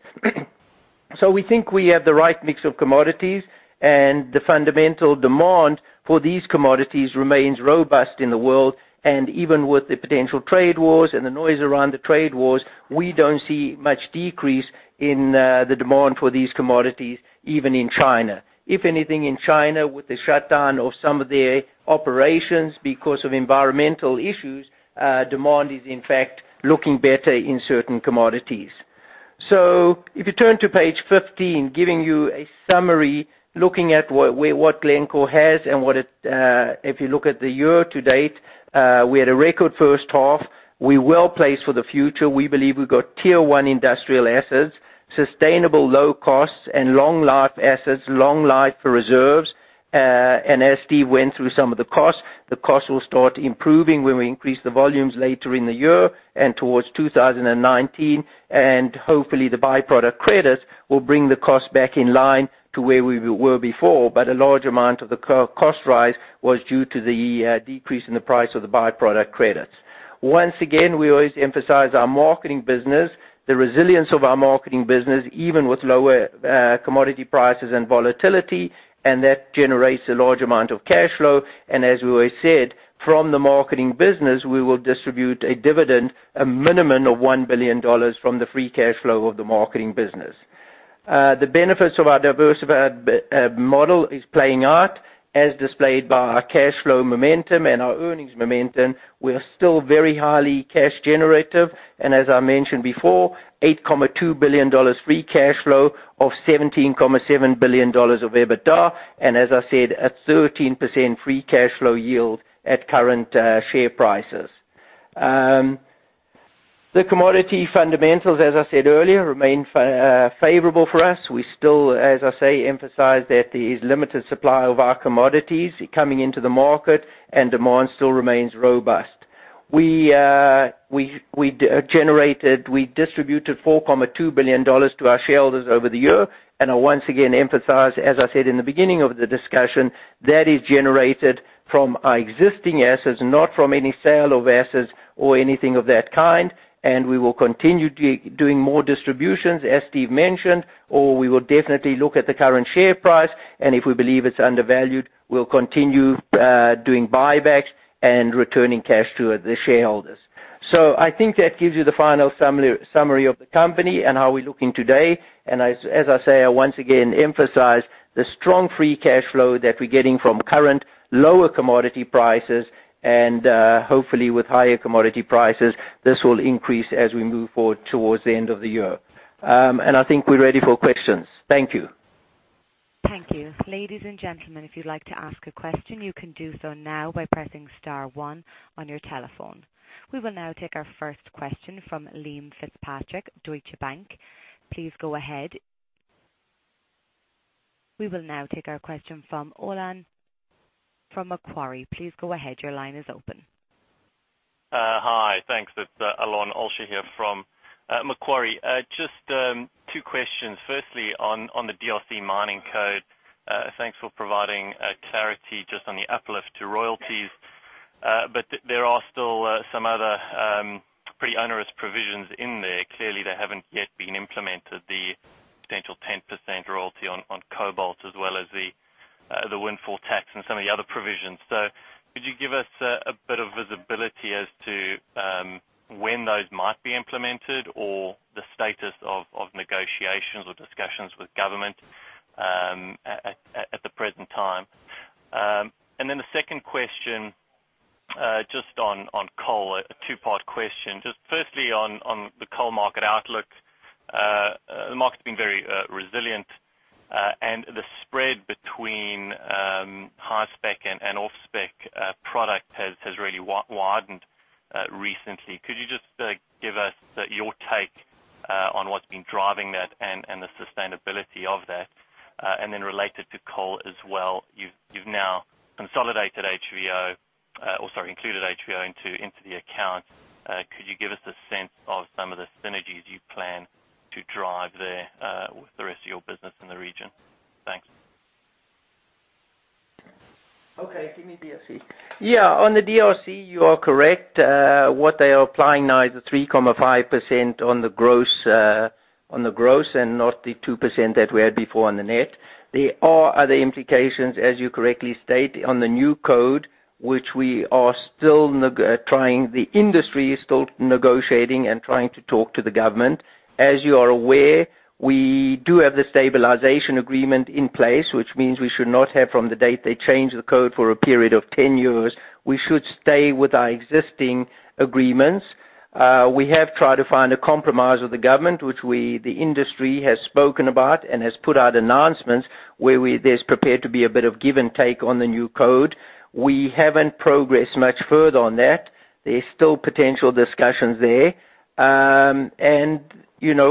We think we have the right mix of commodities, the fundamental demand for these commodities remains robust in the world. Even with the potential trade wars and the noise around the trade wars, we don't see much decrease in the demand for these commodities, even in China. If anything, in China, with the shutdown of some of their operations because of environmental issues, demand is, in fact, looking better in certain commodities. If you turn to page 15, giving you a summary, looking at what Glencore has if you look at the year to date, we had a record first half. We're well placed for the future. We believe we've got tier 1 industrial assets, sustainable low costs, long life assets, long life for reserves. As Steve went through some of the costs, the costs will start improving when we increase the volumes later in the year and towards 2019. Hopefully, the by-product credits will bring the cost back in line to where we were before. A large amount of the cost rise was due to the decrease in the price of the by-product credits. Once again, we always emphasize our marketing business, the resilience of our marketing business, even with lower commodity prices and volatility. That generates a large amount of cash flow. As we always said, from the marketing business, we will distribute a dividend, a minimum of $1 billion from the free cash flow of the marketing business. The benefits of our diversified model is playing out, as displayed by our cash flow momentum and our earnings momentum. We are still very highly cash generative. As I mentioned before, $8.2 billion free cash flow of $17.7 billion of EBITDA. As I said, a 13% free cash flow yield at current share prices. The commodity fundamentals, as I said earlier, remain favorable for us. We still, as I say, emphasize that there's limited supply of our commodities coming into the market and demand still remains robust. We distributed $4.2 billion to our shareholders over the year. I once again emphasize, as I said in the beginning of the discussion, that is generated from our existing assets, not from any sale of assets or anything of that kind. We will continue doing more distributions, as Steven mentioned, or we will definitely look at the current share price, and if we believe it's undervalued, we'll continue doing buybacks and returning cash to the shareholders. I think that gives you the final summary of the company and how we're looking today. As I say, I once again emphasize the strong free cash flow that we're getting from current lower commodity prices, and hopefully with higher commodity prices, this will increase as we move forward towards the end of the year. I think we're ready for questions. Thank you. Thank you. Ladies and gentlemen, if you'd like to ask a question, you can do so now by pressing star one on your telephone. We will now take our first question from Liam Fitzpatrick, Deutsche Bank. Please go ahead. We will now take our question from Alon from Macquarie. Please go ahead. Your line is open. Hi. Thanks. It's Alon Olsha here from Macquarie. Just two questions. Firstly, on the DRC mining code. Thanks for providing clarity just on the uplift to royalties. There are still some other pretty onerous provisions in there. Clearly, they haven't yet been implemented, the potential 10% royalty on cobalt as well as the windfall tax and some of the other provisions. Could you give us a bit of visibility as to when those might be implemented or the status of negotiations or discussions with government at the present time? Then the second question just on coal, a two-part question. Just firstly on the coal market outlook. The market's been very resilient and the spread between high spec and off-spec product has really widened recently. Could you just give us your take on what's been driving that and the sustainability of that? Related to coal as well, you've now consolidated HVO, or sorry, included HVO into the account. Could you give us a sense of some of the synergies you plan to drive there with the rest of your business in the region? Thanks. Okay, give me DRC. On the DRC, you are correct. What they are applying now is the 3.5% on the gross and not the 2% that we had before on the net. There are other implications, as you correctly state, on the new code, which we are still trying, the industry is still negotiating and trying to talk to the government. As you are aware, we do have the stabilization agreement in place, which means we should not have from the date they change the code for a period of 10 years. We should stay with our existing agreements. We have tried to find a compromise with the government, which the industry has spoken about and has put out announcements where there's prepared to be a bit of give and take on the new code. We haven't progressed much further on that. There's still potential discussions there.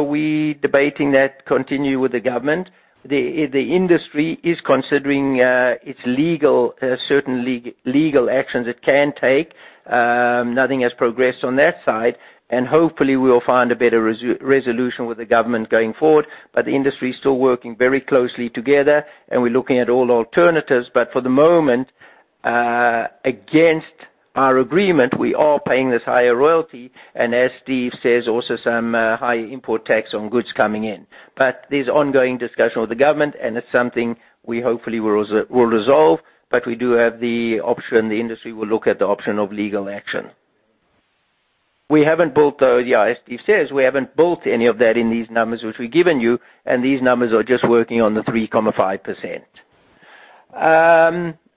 We debating that continue with the government. The industry is considering its certain legal actions it can take. Nothing has progressed on that side, and hopefully we'll find a better resolution with the government going forward. The industry is still working very closely together, and we're looking at all alternatives. For the moment, against our agreement, we are paying this higher royalty, and as Steve says, also some high import tax on goods coming in. There's ongoing discussion with the government, and it's something we hopefully will resolve, but we do have the option, the industry will look at the option of legal action. As Steve says, we haven't built any of that in these numbers which we've given you, and these numbers are just working on the 3.5%.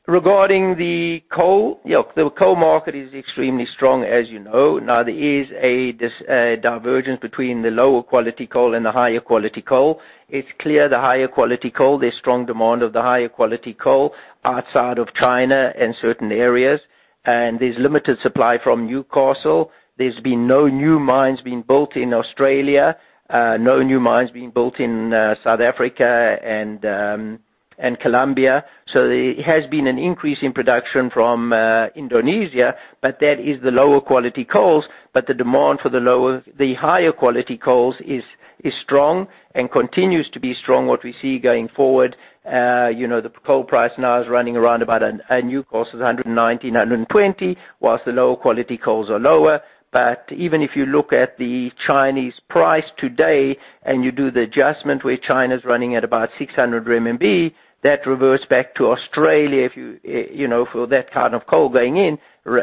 Regarding the coal, the coal market is extremely strong, as you know. There is a divergence between the lower quality coal and the higher quality coal. It's clear the higher quality coal, there's strong demand of the higher quality coal outside of China and certain areas. There's limited supply from Newcastle. There's been no new mines being built in Australia, no new mines being built in South Africa and Colombia. There has been an increase in production from Indonesia, but that is the lower quality coals, while the demand for the higher quality coals is strong and continues to be strong what we see going forward. The coal price now is running around about [a Newcastle $119, $120], while the lower quality coals are lower. Even if you look at the Chinese price today and you do the adjustment where China's running at about 600 RMB, that reverts back to Australia for that kind of coal going in,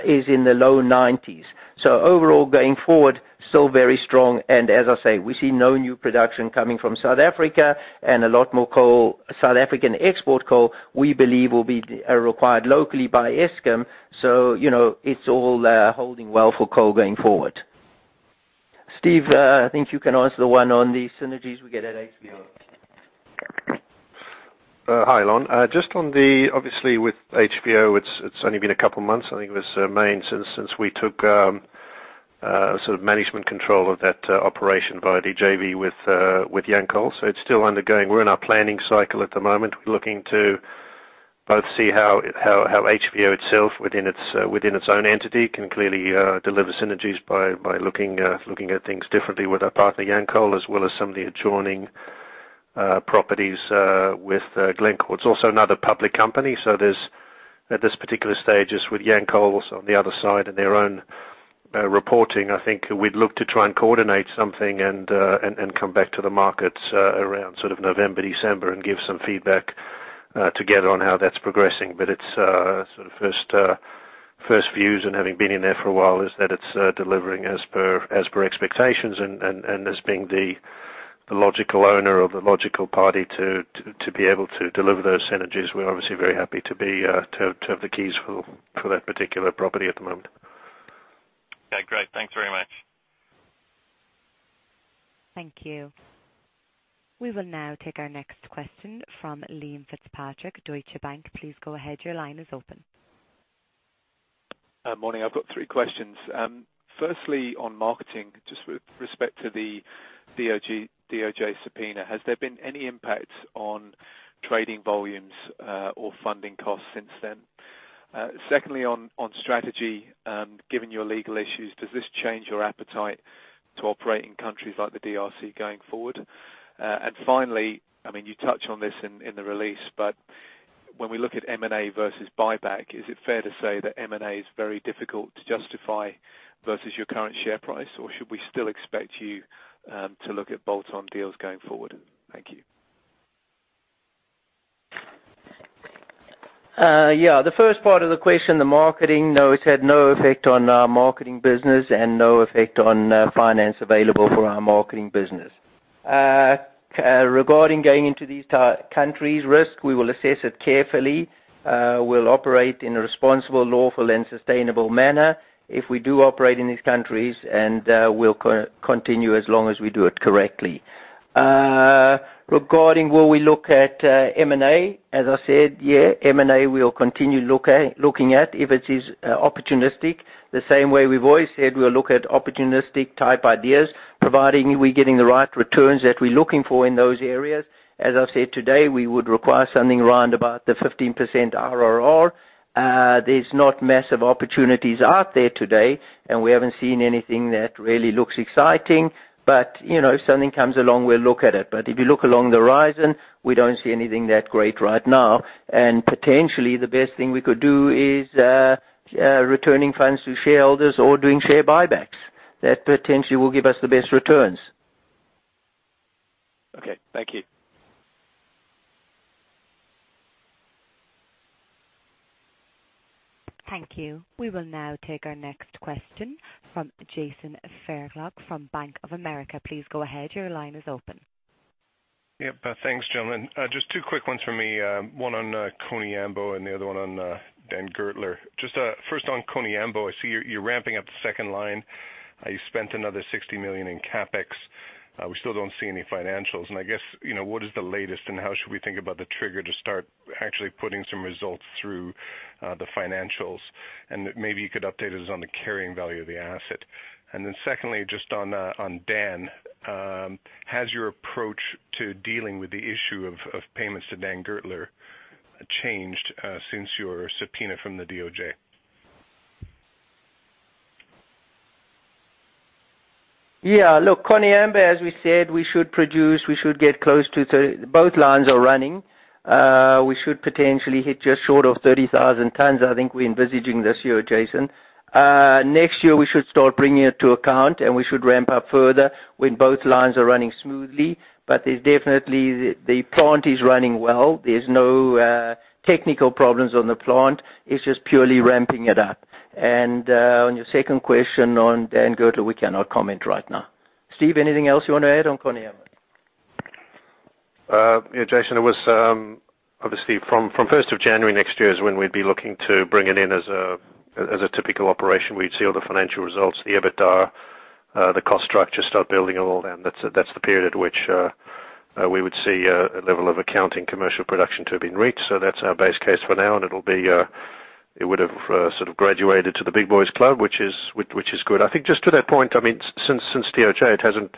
is in the low 90s. Overall going forward, still very strong. As I say, we see no new production coming from South Africa and a lot more South African export coal we believe will be required locally by Eskom. It's all holding well for coal going forward. Steve, I think you can answer the one on the synergies we get at HVO. Hi, Alon. Just on the obviously with HVO, it's only been a couple of months. I think it was since we took Sort of management control of that operation via the JV with Yancoal. It's still undergoing. We're in our planning cycle at the moment. We're looking to both see how HVO itself within its own entity can clearly deliver synergies by looking at things differently with our partner, Yancoal, as well as some of the adjoining properties with Glencore. It's also not a public company, so at this particular stage, it's with Yancoal's on the other side and their own reporting. I think we'd look to try and coordinate something and come back to the markets around November, December and give some feedback together on how that's progressing. It's sort of first views and having been in there for a while is that it's delivering as per expectations and as being the logical owner or the logical party to be able to deliver those synergies. We're obviously very happy to have the keys for that particular property at the moment. Okay, great. Thanks very much. Thank you. We will now take our next question from Liam Fitzpatrick, Deutsche Bank. Please go ahead. Your line is open. Morning. I've got three questions. Firstly, on marketing, just with respect to the DOJ subpoena, has there been any impact on trading volumes or funding costs since then? Secondly, on strategy, given your legal issues, does this change your appetite to operate in countries like the DRC going forward? Finally, you touch on this in the release, but when we look at M&A versus buyback, is it fair to say that M&A is very difficult to justify versus your current share price, or should we still expect you to look at bolt-on deals going forward? Thank you. Yeah. The first part of the question, the marketing, no, it's had no effect on our marketing business and no effect on finance available for our marketing business. Regarding going into these countries, risk, we will assess it carefully. We'll operate in a responsible, lawful, and sustainable manner if we do operate in these countries and we'll continue as long as we do it correctly. Regarding will we look at M&A, as I said, yeah, M&A, we'll continue looking at if it is opportunistic, the same way we've always said we'll look at opportunistic type ideas, providing we're getting the right returns that we're looking for in those areas. As I've said today, we would require something around about the 15% RRR. There's not massive opportunities out there today, and we haven't seen anything that really looks exciting. If something comes along, we'll look at it. If you look along the horizon, we don't see anything that great right now. Potentially the best thing we could do is returning funds to shareholders or doing share buybacks. That potentially will give us the best returns. Okay. Thank you. Thank you. We will now take our next question from Jason Fairclough from Bank of America. Please go ahead. Your line is open. Yep. Thanks, gentlemen. Just two quick ones from me, one on Koniambo and the other one on Dan Gertler. Just first on Koniambo, I see you're ramping up the second line. You spent another $60 million in CapEx. We still don't see any financials. I guess, what is the latest, and how should we think about the trigger to start actually putting some results through the financials? And maybe you could update us on the carrying value of the asset. Then secondly, just on Dan, has your approach to dealing with the issue of payments to Dan Gertler changed since your subpoena from the DOJ? Yeah. Look, Koniambo, as we said, we should produce, we should get close to both lines are running. We should potentially hit just short of 30,000 tonnes, I think we envisaging this year, Jason. Next year, we should start bringing it to account, and we should ramp up further when both lines are running smoothly. There's definitely the plant is running well. There's no technical problems on the plant. It's just purely ramping it up. On your second question on Dan Gertler, we cannot comment right now. Steve, anything else you want to add on Koniambo? Yeah, Jason, it was obviously from 1st of January next year is when we'd be looking to bring it in as a typical operation. We'd see all the financial results, the EBITDA, the cost structure start building all of them. That's the period at which we would see a level of accounting commercial production to have been reached. That's our base case for now, and it would have sort of graduated to the big boys club, which is good. I think just to that point, since DOJ, it hasn't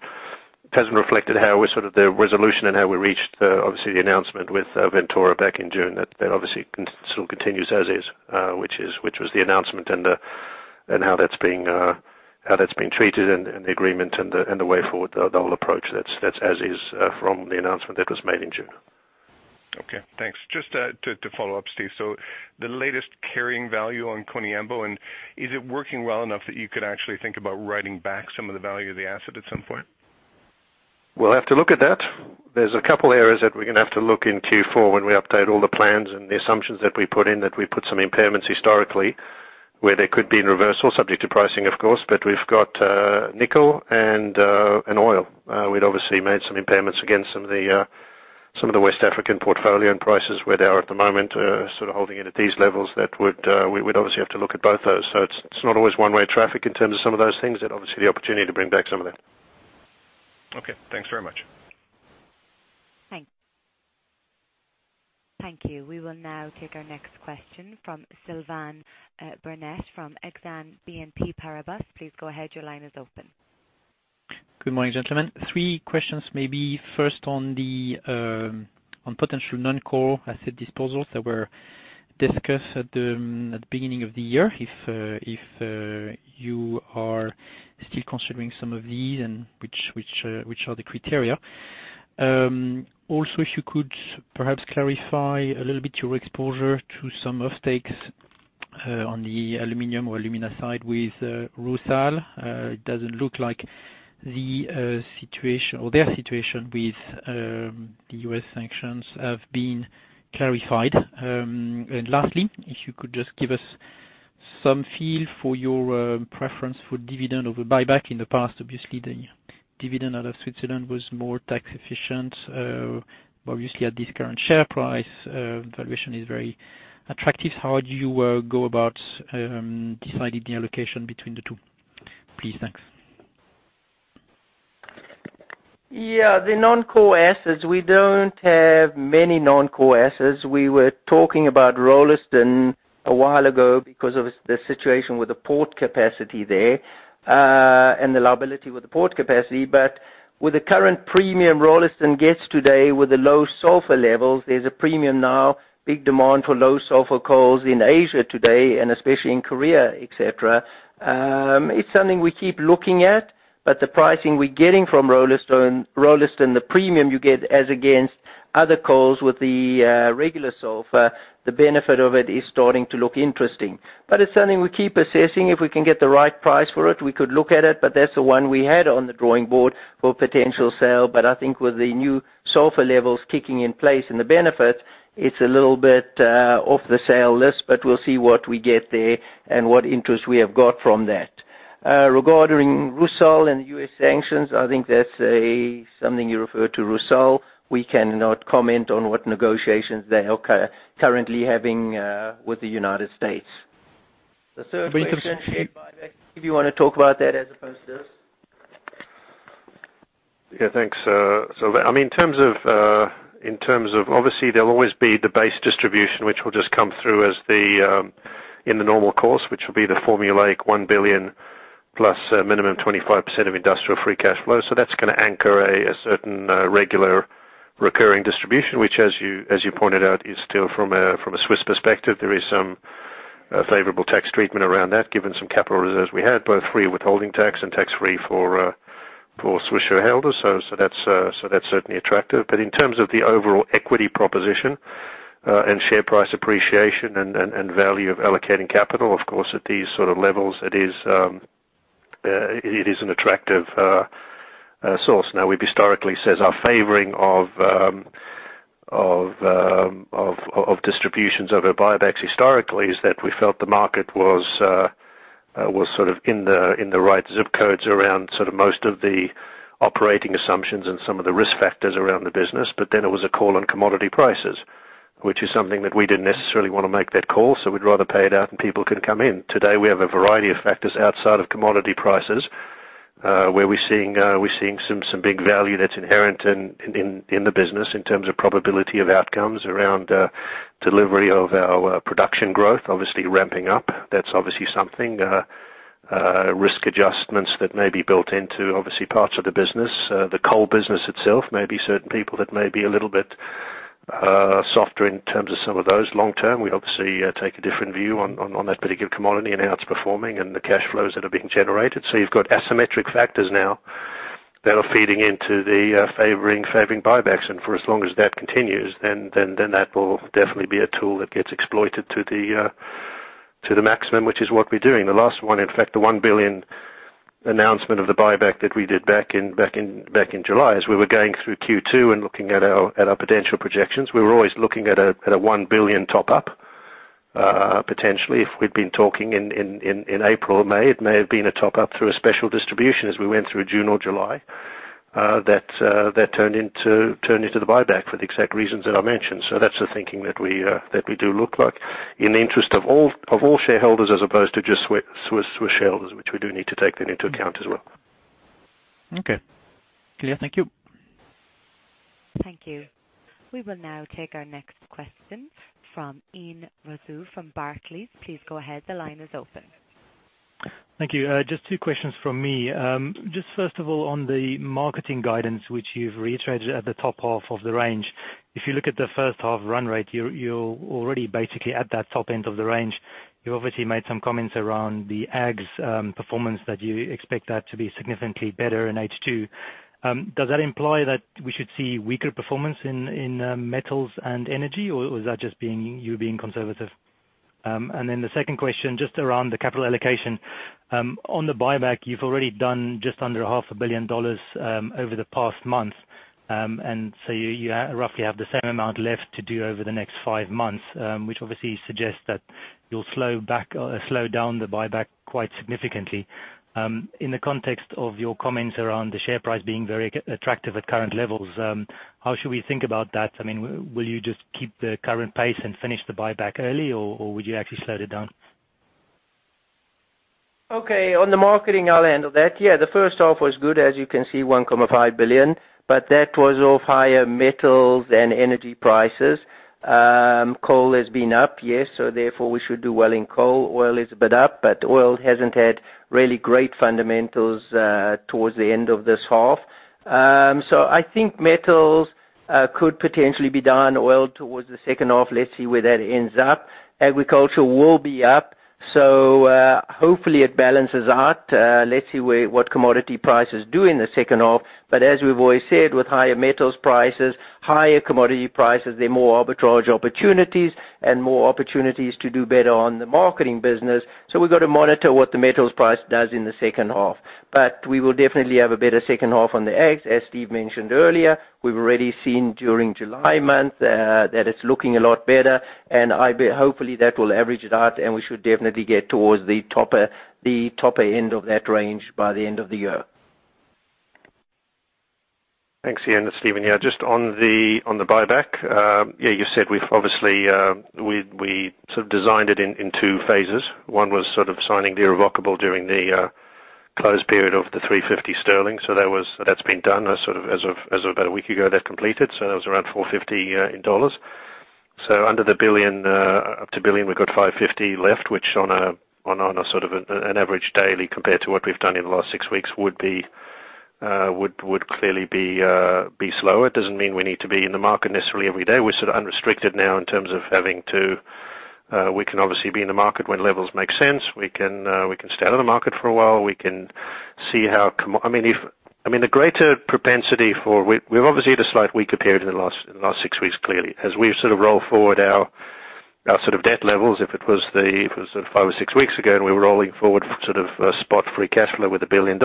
reflected how we sort of the resolution and how we reached obviously the announcement with Ventora back in June. That obviously still continues as is, which was the announcement and how that's being treated and the agreement and the way forward, the whole approach, that's as is from the announcement that was made in June. Okay, thanks. Just to follow up, Steve. The latest carrying value on Koniambo and is it working well enough that you could actually think about writing back some of the value of the asset at some point? We'll have to look at that. There's a couple areas that we're going to have to look in Q4 when we update all the plans and the assumptions that we put in, that we put some impairments historically where there could be in reversal subject to pricing, of course. We've got nickel and oil. We'd obviously made some impairments against some of the West African portfolio and prices where they are at the moment, sort of holding it at these levels that we'd obviously have to look at both those. It's not always one-way traffic in terms of some of those things and obviously the opportunity to bring back some of that. Okay, thanks very much. Thanks. Thank you. We will now take our next question from Sylvain Brunet from Exane BNP Paribas. Please go ahead. Your line is open. Good morning, gentlemen. Three questions. Maybe first on potential non-core asset disposals that were discussed at the beginning of the year. If you are still considering some of these and which are the criteria. Also, if you could perhaps clarify a little bit your exposure to some offtakes on the aluminum or alumina side with Rusal. It doesn't look like their situation with the U.S. sanctions have been clarified. Lastly, if you could just give us some feel for your preference for dividend over buyback. In the past, obviously the dividend out of Switzerland was more tax efficient, but obviously at this current share price, valuation is very attractive. How do you go about deciding the allocation between the two, please? Thanks. Yeah. The non-core assets, we don't have many non-core assets. We were talking about Rolleston a while ago because of the situation with the port capacity there, and the liability with the port capacity. With the current premium Rolleston gets today with the low sulfur levels, there's a premium now. Big demand for low sulfur coals in Asia today, and especially in Korea, et cetera. It's something we keep looking at, but the pricing we're getting from Rolleston, the premium you get as against other coals with the regular sulfur, the benefit of it is starting to look interesting. It's something we keep assessing. If we can get the right price for it, we could look at it, but that's the one we had on the drawing board for potential sale. I think with the new sulfur levels kicking in place and the benefit, it's a little bit off the sale list, but we'll see what we get there and what interest we have got from that. Regarding Rusal and the U.S. sanctions, I think that's something you refer to Rusal. We cannot comment on what negotiations they are currently having with the United States. The third question, share buyback, if you want to talk about that as opposed to us. Thanks, Sylvain. In terms of, obviously, there will always be the base distribution, which will just come through in the normal course, which will be the formulaic $1 billion plus a minimum 25% of industrial free cash flow. That's going to anchor a certain regular recurring distribution, which as you pointed out, is still from a Swiss perspective, there is some favorable tax treatment around that, given some capital reserves we had, both free of withholding tax and tax free for Swiss shareholders. That's certainly attractive. In terms of the overall equity proposition and share price appreciation and value of allocating capital, of course, at these sort of levels, it is an attractive source. We've historically said our favoring of distributions over buybacks historically is that we felt the market was sort of in the right zip codes around most of the operating assumptions and some of the risk factors around the business. It was a call on commodity prices, which is something that we didn't necessarily want to make that call, we'd rather pay it out and people can come in. Today, we have a variety of factors outside of commodity prices, where we're seeing some big value that's inherent in the business in terms of probability of outcomes around delivery of our production growth, obviously ramping up. That's obviously something. Risk adjustments that may be built into, obviously, parts of the business. The coal business itself may be certain people that may be a little bit softer in terms of some of those long-term. We obviously take a different view on that particular commodity and how it's performing and the cash flows that are being generated. You've got asymmetric factors now that are feeding into the favoring buybacks, and for as long as that continues, that will definitely be a tool that gets exploited to the maximum, which is what we're doing. The last one, in fact, the $1 billion announcement of the buyback that we did back in July, as we were going through Q2 and looking at our potential projections, we were always looking at a $1 billion top up, potentially, if we'd been talking in April or May. It may have been a top up through a special distribution as we went through June or July. That turned into the buyback for the exact reasons that I mentioned. That's the thinking that we do look at in the interest of all shareholders as opposed to just Swiss shareholders, which we do need to take that into account as well. Okay. Thank you. Thank you. We will now take our next question from Ian Rossouw from Barclays. Please go ahead. The line is open. Thank you. Just two questions from me. First of all, on the marketing guidance, which you've reiterated at the top half of the range. If you look at the first half run rate, you're already basically at that top end of the range. You obviously made some comments around the ags performance that you expect that to be significantly better in H2. Does that imply that we should see weaker performance in metals and energy, or is that just you being conservative? The second question, just around the capital allocation. On the buyback, you've already done just under half a billion dollars over the past month. So you roughly have the same amount left to do over the next five months, which obviously suggests that you'll slow down the buyback quite significantly. In the context of your comments around the share price being very attractive at current levels, how should we think about that? Will you just keep the current pace and finish the buyback early, or would you actually slow it down? Okay, on the marketing, I'll handle that. Yeah, the first half was good, as you can see, $1.5 billion, but that was off higher metals and energy prices. Coal has been up, yes, so therefore we should do well in coal. Oil is a bit up, but oil hasn't had really great fundamentals towards the end of this half. I think metals could potentially be down, oil towards the second half. Let's see where that ends up. Agriculture will be up, so hopefully it balances out. Let's see what commodity prices do in the second half. As we've always said, with higher metals prices, higher commodity prices, there are more arbitrage opportunities and more opportunities to do better on the marketing business. We've got to monitor what the metals price does in the second half. We will definitely have a better second half on the ag. As Steve mentioned earlier, we've already seen during July month that it's looking a lot better, and hopefully that will average it out and we should definitely get towards the topper end of that range by the end of the year. Thanks, Ian. It's Steven here. Just on the buyback. Yeah, you said we sort of designed it in two phases. One was sort of signing the irrevocable during the close period of 350 sterling. That's been done as of about a week ago, that completed, so that was around $450. Up to $1 billion, we've got $550 left, which on a sort of an average daily compared to what we've done in the last six weeks would clearly be slower. It doesn't mean we need to be in the market necessarily every day. We're sort of unrestricted now in terms of having to, we can obviously be in the market when levels make sense. We can stay out of the market for a while. We've obviously had a slight weaker period in the last six weeks, clearly. As we sort of roll forward our sort of debt levels, if it was five or six weeks ago and we were rolling forward sort of spot free cash flow with $1 billion,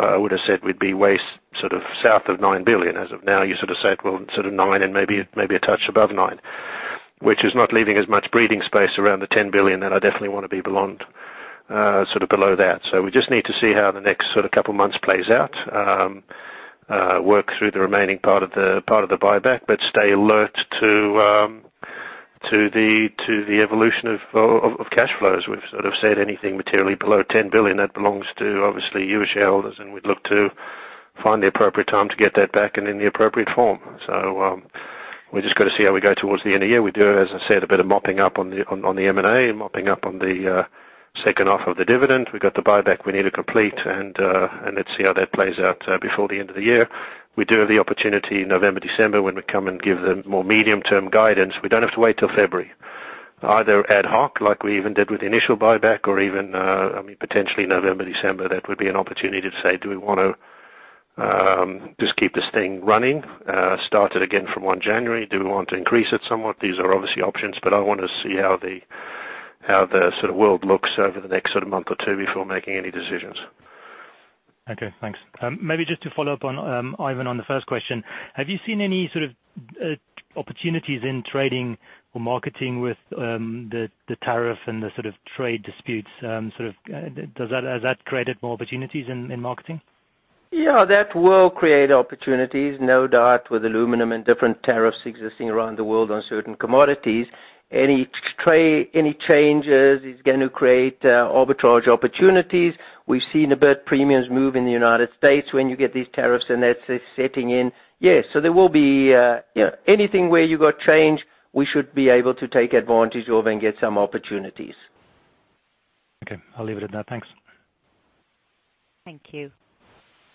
I would've said we'd be way sort of south of $9 billion. As of now, you sort of said, well, sort of $9 and maybe a touch above $9, which is not leaving as much breathing space around the $10 billion that I definitely want to be below that. We just need to see how the next sort of couple months plays out. Work through the remaining part of the buyback, but stay alert to the evolution of cash flows. We've sort of said anything materially below $10 billion, that belongs to obviously you, as shareholders, and we'd look to find the appropriate time to get that back and in the appropriate form. We've just got to see how we go towards the end of the year. We do, as I said, a bit of mopping up on the M&A, mopping up on the second half of the dividend. We've got the buyback we need to complete, and let's see how that plays out before the end of the year. We do have the opportunity in November, December, when we come and give the more medium-term guidance. We don't have to wait till February. Either ad hoc, like we even did with the initial buyback or even potentially November, December, that would be an opportunity to say, do we want to just keep this thing running, start it again from 1 January? Do we want to increase it somewhat? These are obviously options, I want to see how the sort of world looks over the next sort of month or two before making any decisions. Okay, thanks. Maybe just to follow up on, Ivan, on the first question. Have you seen any sort of opportunities in trading or marketing with the tariff and the sort of trade disputes, has that created more opportunities in marketing? That will create opportunities, no doubt, with aluminum and different tariffs existing around the world on certain commodities. Any changes is going to create arbitrage opportunities. We've seen a bit premiums move in the U.S. when you get these tariffs and that's sitting in. Anything where you got change, we should be able to take advantage of and get some opportunities. Okay, I'll leave it at that. Thanks. Thank you.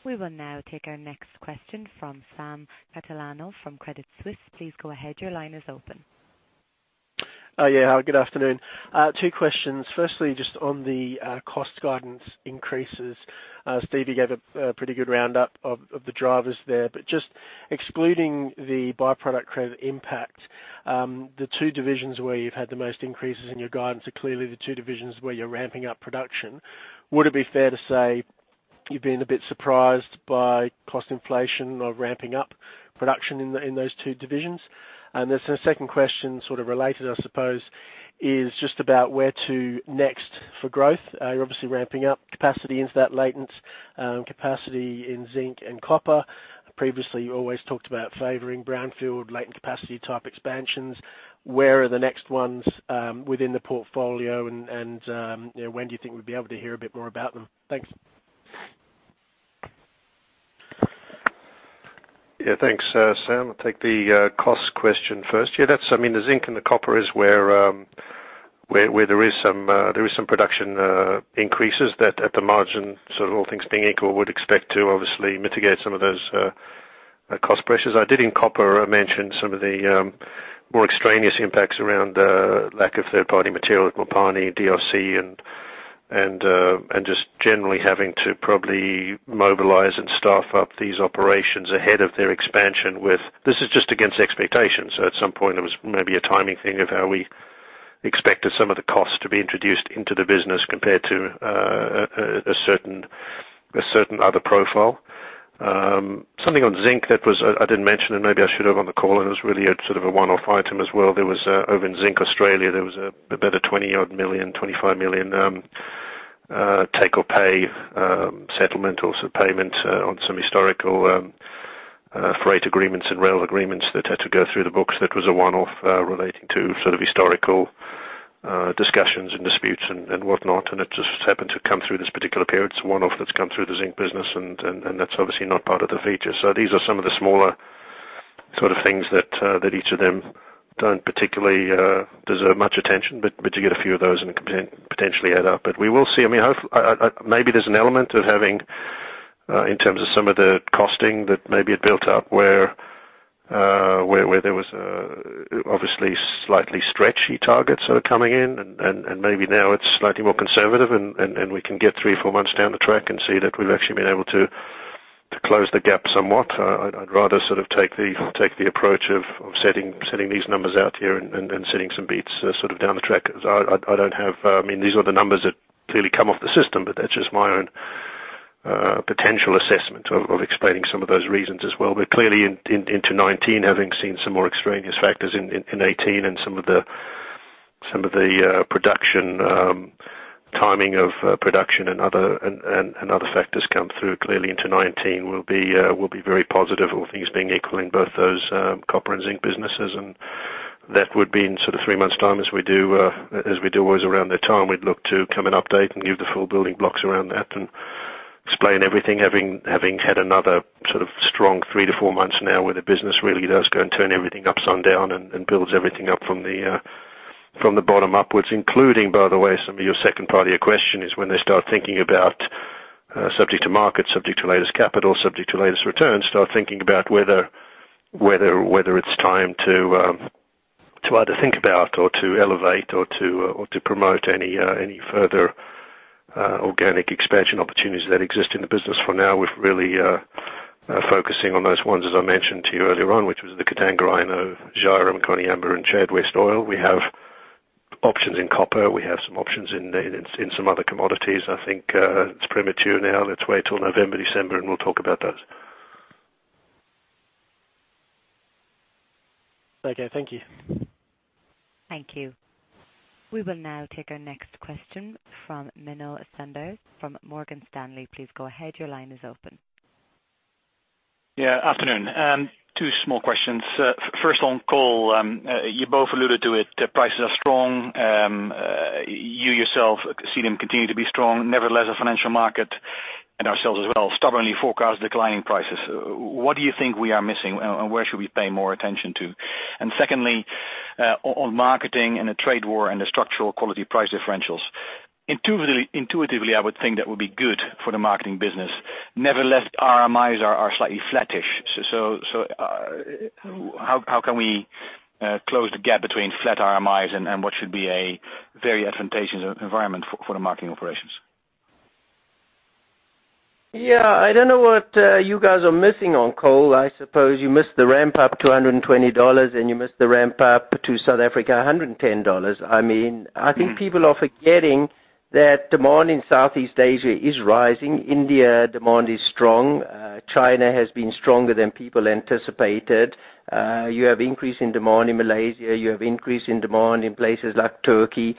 We will now take our next question from Sam Catalano from Credit Suisse. Please go ahead. Your line is open. Hi. Good afternoon. Two questions. Firstly, just on the cost guidance increases. Steve, you gave a pretty good roundup of the drivers there, but just excluding the by-product credit impact, the two divisions where you've had the most increases in your guidance are clearly the two divisions where you're ramping up production. Would it be fair to say you've been a bit surprised by cost inflation or ramping up production in those two divisions? There's a second question sort of related, I suppose, is just about where to next for growth. You're obviously ramping up capacity into that latent capacity in zinc and copper. Previously, you always talked about favoring brownfield latent capacity type expansions. Where are the next ones within the portfolio, and when do you think we'd be able to hear a bit more about them? Thanks. Thanks Sam. I'll take the cost question first. The zinc and the copper is where there is some production increases that at the margin, sort of all things being equal, would expect to obviously mitigate some of those cost pressures. I did in copper mention some of the more extraneous impacts around lack of third-party material at Mopani and DRC and just generally having to probably mobilize and staff up these operations ahead of their expansion with this is just against expectations. At some point, it was maybe a timing thing of how we expected some of the costs to be introduced into the business compared to a certain other profile. Something on zinc that I didn't mention, and maybe I should have on the call, and it was really a sort of a one-off item as well. Over in zinc Australia, there was about a $20 million-$25 million take or pay settlement or payment on some historical freight agreements and rail agreements that had to go through the books. That was a one-off relating to historical discussions and disputes and whatnot. It just happened to come through this particular period. It's a one-off that's come through the zinc business, and that's obviously not part of the feature. These are some of the smaller things that each of them don't particularly deserve much attention, but you get a few of those and they potentially add up. We will see. Maybe there's an element of having, in terms of some of the costing, that maybe it built up where there was obviously slightly stretchy targets are coming in, and maybe now it's slightly more conservative, and we can get three or four months down the track and see that we've actually been able to close the gap somewhat. I'd rather take the approach of setting these numbers out here and setting some beats down the track. These are the numbers that clearly come off the system, but that's just my own potential assessment of explaining some of those reasons as well. Clearly into 2019, having seen some more extraneous factors in 2018 and some of the timing of production and other factors come through, clearly into 2019 we'll be very positive, all things being equal in both those copper and zinc businesses, and that would be in three months' time as we do always around the time, we'd look to come and update and give the full building blocks around that and explain everything, having had another strong three to four months now where the business really does go and turn everything upside down and builds everything up from the bottom upwards, including, by the way, some of your second part of your question is when they start thinking about subject to market, subject to latest capital, subject to latest returns, start thinking about whether it's time to either think about or to elevate or to promote any further organic expansion opportunities that exist in the business. For now, we're really focusing on those ones, as I mentioned to you earlier on, which was the Katanga, INO, Zhairem, Koniambo, and Chad West Oil. We have options in copper. We have some options in some other commodities. I think it's premature now. Let's wait till November, December, and we'll talk about those. Okay, thank you. Thank you. We will now take our next question from Menno Sanderse from Morgan Stanley. Please go ahead. Your line is open. Yeah, afternoon. Two small questions. First on coal. You both alluded to it. Prices are strong. You yourself see them continue to be strong. Nevertheless, the financial market and ourselves as well stubbornly forecast declining prices. What do you think we are missing, and where should we pay more attention to? Secondly, on marketing and the trade war and the structural quality price differentials. Intuitively, I would think that would be good for the marketing business. Nevertheless, RMIs are slightly flattish. How can we close the gap between flat RMIs and what should be a very advantageous environment for the marketing operations? Yeah, I don't know what you guys are missing on coal. I suppose you missed the ramp-up to $120, and you missed the ramp-up to South Africa, $110. I think people are forgetting that demand in Southeast Asia is rising. India demand is strong. China has been stronger than people anticipated. You have increase in demand in Malaysia. You have increase in demand in places like Turkey.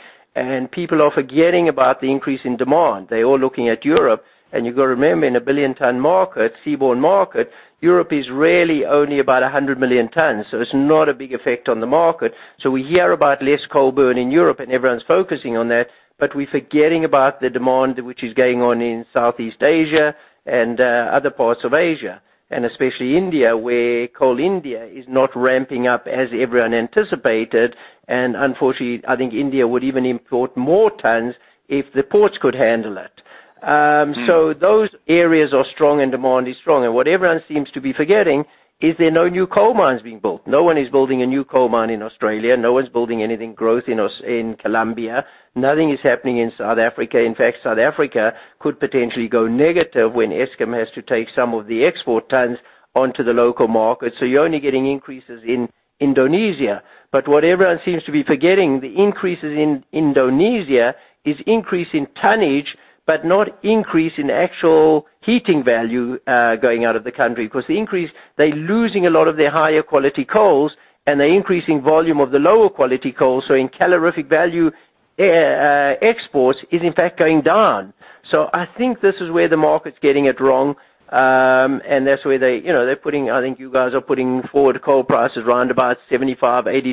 People are forgetting about the increase in demand. They're all looking at Europe, and you've got to remember, in a billion ton market, seaborne market, Europe is really only about 100 million tons. It's not a big effect on the market. We hear about less coal burn in Europe and everyone's focusing on that, we're forgetting about the demand which is going on in Southeast Asia and other parts of Asia, and especially India, where Coal India is not ramping up as everyone anticipated. Unfortunately, I think India would even import more tons if the ports could handle it. Those areas are strong and demand is strong. What everyone seems to be forgetting is there are no new coal mines being built. No one is building a new coal mine in Australia. No one's building anything growth in Colombia. Nothing is happening in South Africa. In fact, South Africa could potentially go negative when Eskom has to take some of the export tons onto the local market. You're only getting increases in Indonesia. What everyone seems to be forgetting, the increases in Indonesia is increase in tonnage, but not increase in actual heating value going out of the country. The increase, they're losing a lot of their higher quality coals and they're increasing volume of the lower quality coal. In calorific value, exports is in fact going down. I think this is where the market's getting it wrong, and that's where I think you guys are putting forward coal prices around about $75,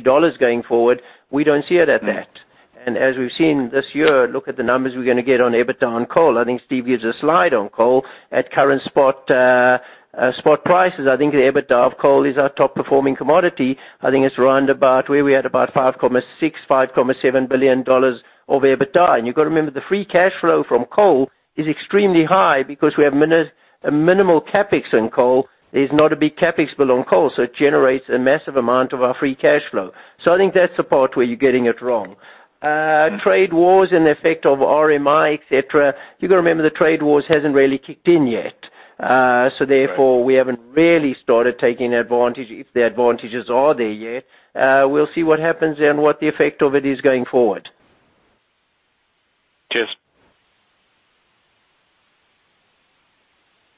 $80 going forward. We don't see it at that. As we've seen this year, look at the numbers we're going to get on EBITDA on coal. I think Steve gives a slide on coal. At current spot prices, I think the EBITDA of coal is our top performing commodity. I think it's around about where we had about $5.6 billion, $5.7 billion of EBITDA. You've got to remember, the free cash flow from coal is extremely high because we have a minimal CapEx in coal. There's not a big CapEx bill on coal, it generates a massive amount of our free cash flow. I think that's the part where you're getting it wrong. Trade wars and the effect of RMI, et cetera. You've got to remember, the trade wars hasn't really kicked in yet. Therefore, we haven't really started taking advantage if the advantages are there yet. We'll see what happens and what the effect of it is going forward. Cheers.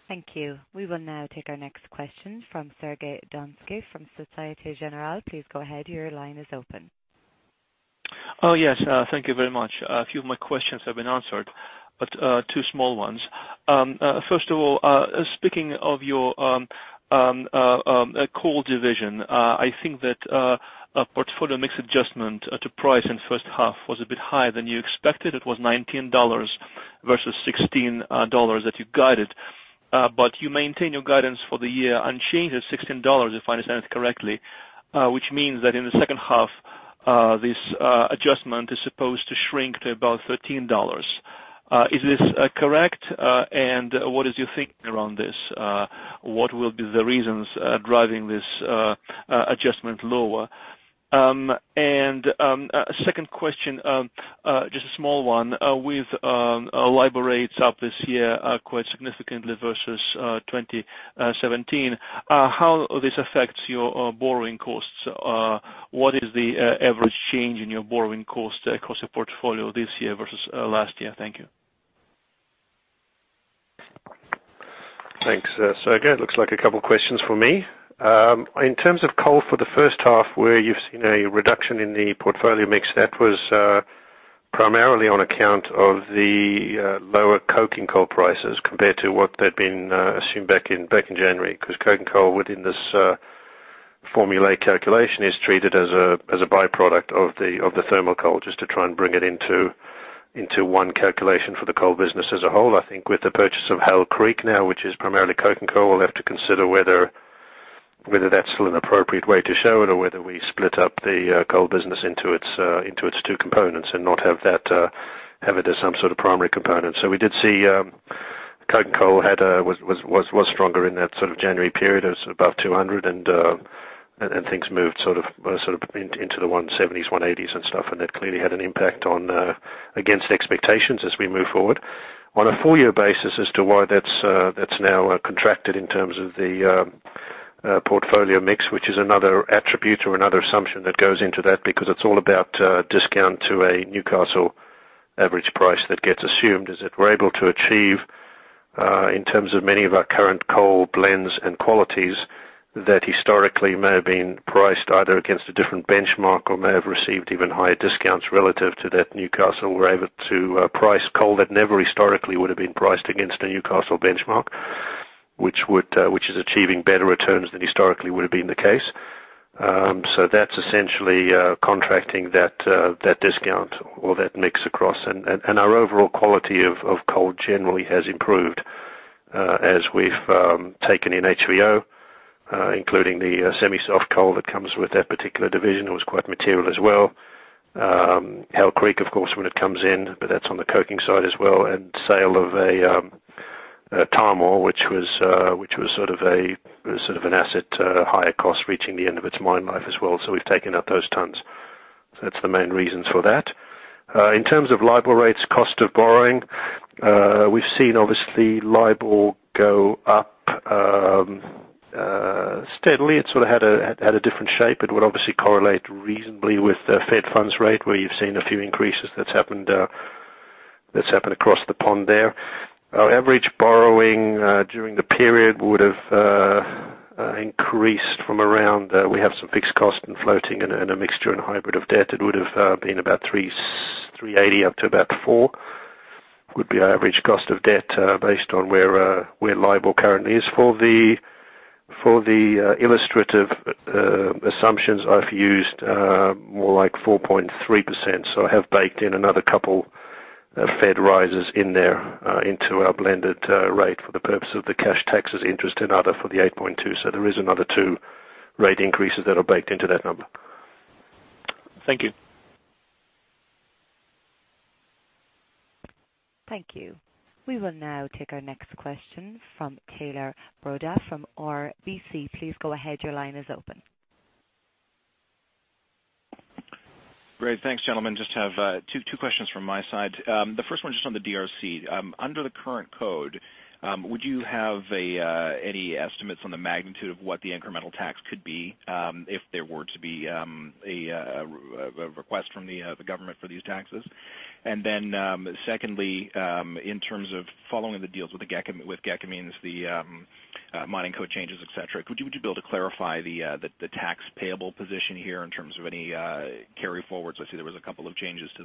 Thank you. We will now take our next question from Sergey Donskoy from Societe Generale. Please go ahead. Your line is open. Yes. Thank you very much. A few of my questions have been answered, two small ones. First of all, speaking of your coal division, I think that portfolio mix adjustment to price in first half was a bit higher than you expected. It was $19 versus $16 that you guided. You maintain your guidance for the year unchanged at $16, if I understand it correctly, which means that in the second half, this adjustment is supposed to shrink to about $13. Is this correct? What is your thinking around this? What will be the reasons driving this adjustment lower? Second question, just a small one. With LIBOR rates up this year quite significantly versus 2017, how this affects your borrowing costs? What is the average change in your borrowing cost across your portfolio this year versus last year? Thank you. Thanks, Sergey. It looks like a couple questions for me. In terms of coal for the first half, where you've seen a reduction in the portfolio mix, that was primarily on account of the lower coking coal prices compared to what they'd been assumed back in January, because coking coal within this formula calculation is treated as a byproduct of the thermal coal, just to try and bring it into one calculation for the coal business as a whole. I think with the purchase of Hail Creek now, which is primarily coking coal, we'll have to consider whether that's still an appropriate way to show it or whether we split up the coal business into its two components and not have it as some sort of primary component. We did see coking coal was stronger in that sort of January period. It was above $200, things moved into the $170s, $180s and stuff, that clearly had an impact against expectations as we move forward. On a full year basis as to why that's now contracted in terms of the portfolio mix, which is another attribute or another assumption that goes into that because it's all about discount to a Newcastle average price that gets assumed, is that we're able to achieve, in terms of many of our current coal blends and qualities that historically may have been priced either against a different benchmark or may have received even higher discounts relative to that Newcastle, we're able to price coal that never historically would've been priced against a Newcastle benchmark, which is achieving better returns than historically would've been the case. That's essentially contracting that discount or that mix across. Our overall quality of coal generally has improved as we've taken in HVO, including the semi-soft coal that comes with that particular division, it was quite material as well. Hail Creek, of course, when it comes in, that's on the coking side as well, and sale of Tahmoor, which was sort of an asset higher cost, reaching the end of its mine life as well. We've taken out those tons. That's the main reasons for that. In terms of LIBOR rates, cost of borrowing, we've seen, obviously, LIBOR go up steadily. It sort of had a different shape. It would obviously correlate reasonably with the Fed funds rate, where you've seen a few increases that's happened across the pond there. Our average borrowing during the period would've increased from around, we have some fixed cost and floating and a mixture and hybrid of debt. It would've been about 380 up to about 400, would be our average cost of debt based on where LIBOR currently is. For the illustrative assumptions, I've used more like 4.3%. I have baked in another couple Fed rises in there into our blended rate for the purpose of the cash taxes interest and other for the 8.2. There is another two rate increases that are baked into that number. Thank you. Thank you. We will now take our next question from Tyler Broda from RBC. Please go ahead. Your line is open. Great. Thanks, gentlemen. Just have two questions from my side. The first one is just on the DRC. Under the current code, would you have any estimates on the magnitude of what the incremental tax could be if there were to be a request from the government for these taxes? Secondly, in terms of following the deals with Gécamines, the mining code changes, et cetera, would you be able to clarify the tax payable position here in terms of any carry forwards? I see there was a couple of changes to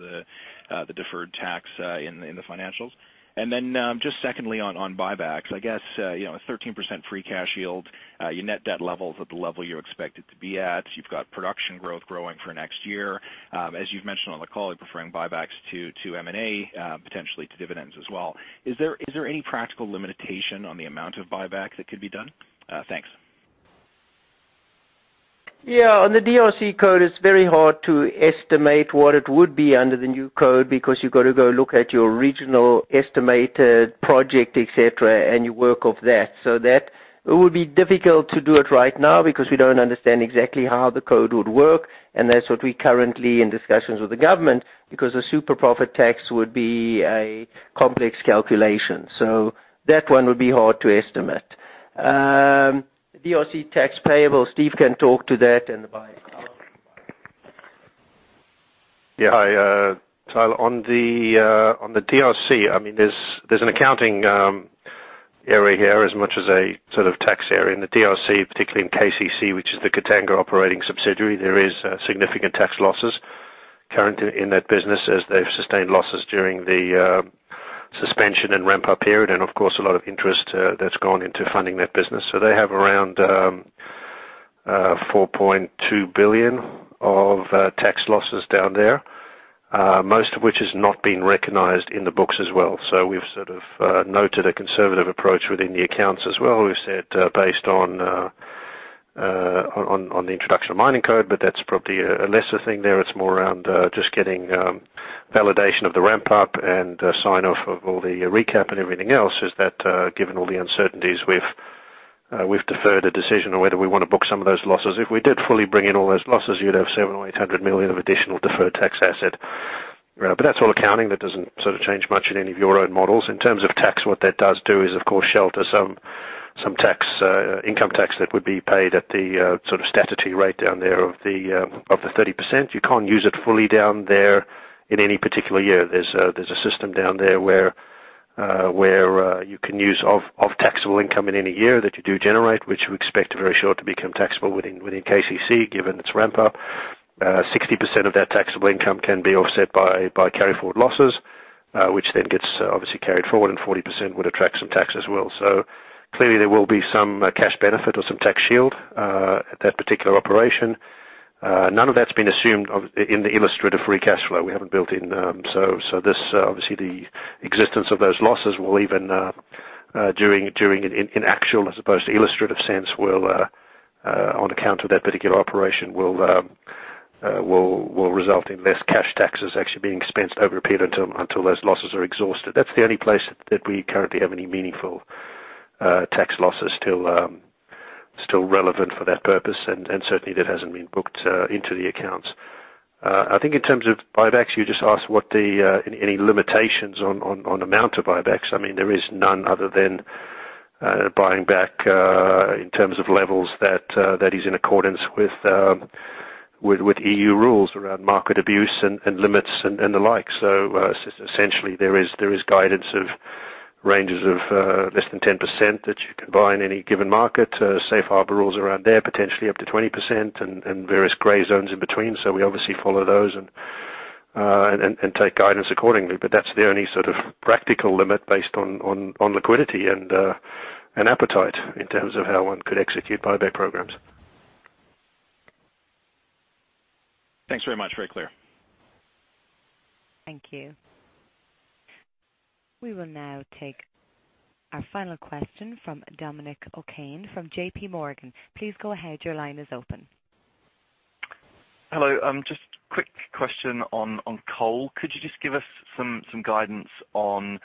the deferred tax in the financials. Secondly on buybacks. I guess, 13% free cash yield. Your net debt level is at the level you're expected to be at. You've got production growth growing for next year. As you've mentioned on the call, you're preferring buybacks to M&A, potentially to dividends as well. Is there any practical limitation on the amount of buyback that could be done? Thanks. Yeah. On the DRC mining code, it's very hard to estimate what it would be under the new code because you've got to go look at your regional estimated project, etc., and you work off that. It would be difficult to do it right now because we don't understand exactly how the code would work, and that's what we are currently in discussions with the government, because a super profit tax would be a complex calculation. That one would be hard to estimate. DRC tax payable, Steven can talk to that and the buy. [inaudible] Yeah. Hi, Tyler. On the DRC, there's an accounting area here as much as a sort of tax area in the DRC, particularly in KCC, which is the Katanga operating subsidiary. There is significant tax losses currently in that business as they've sustained losses during the suspension and ramp-up period and of course, a lot of interest that's gone into funding that business. They have around $4.2 billion of tax losses down there, most of which has not been recognized in the books as well. We've sort of noted a conservative approach within the accounts as well. We've said based on the introduction of mining code, but that's probably a lesser thing there. It's more around just getting validation of the ramp-up and sign-off of all the recap and everything else is that given all the uncertainties, we've deferred a decision on whether we want to book some of those losses. If we did fully bring in all those losses, you'd have $700 million or $800 million of additional deferred tax asset. That's all accounting. That doesn't sort of change much in any of your own models. In terms of tax, what that does do is, of course, shelter some income tax that would be paid at the sort of statutory rate down there of the 30%. You can't use it fully down there in any particular year. There's a system down there where you can use of taxable income in any year that you do generate, which we expect very soon to become taxable within KCC, given its ramp-up. 60% of that taxable income can be offset by carry-forward losses, which then gets obviously carried forward, 40% would attract some tax as well. Clearly there will be some cash benefit or some tax shield at that particular operation. None of that's been assumed of in the illustrative free cash flow we haven't built in. Obviously the existence of those losses will even during, in actual as opposed to illustrative sense, will on account of that particular operation will result in less cash taxes actually being expensed over a period until those losses are exhausted. That's the only place that we currently have any meaningful tax losses still relevant for that purpose. Certainly that hasn't been booked into the accounts. I think in terms of buybacks, you just asked any limitations on amount of buybacks. There is none other than buying back in terms of levels that is in accordance with EU rules around market abuse and limits and the like. Essentially there is guidance of ranges of less than 10% that you can buy in any given market, safe harbor rules around there, potentially up to 20% and various gray zones in between. We obviously follow those and take guidance accordingly. That's the only sort of practical limit based on liquidity and appetite in terms of how one could execute buyback programs. Thanks very much. Very clear. Thank you. We will now take our final question from Dominic O'Kane from JP Morgan. Please go ahead. Your line is open. Hello. Just quick question on coal. Could you just give us some guidance on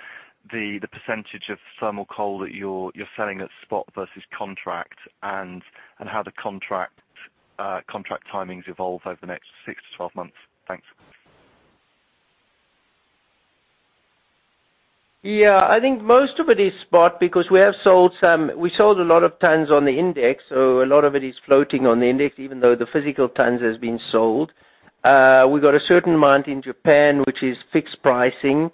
the percentage of thermal coal that you're selling at spot versus contract and how the contract timings evolve over the next six to 12 months? Thanks. Yeah, I think most of it is spot because we sold a lot of tons on the index, so a lot of it is floating on the index even though the physical tons has been sold. We got a certain amount in Japan, which is fixed pricing.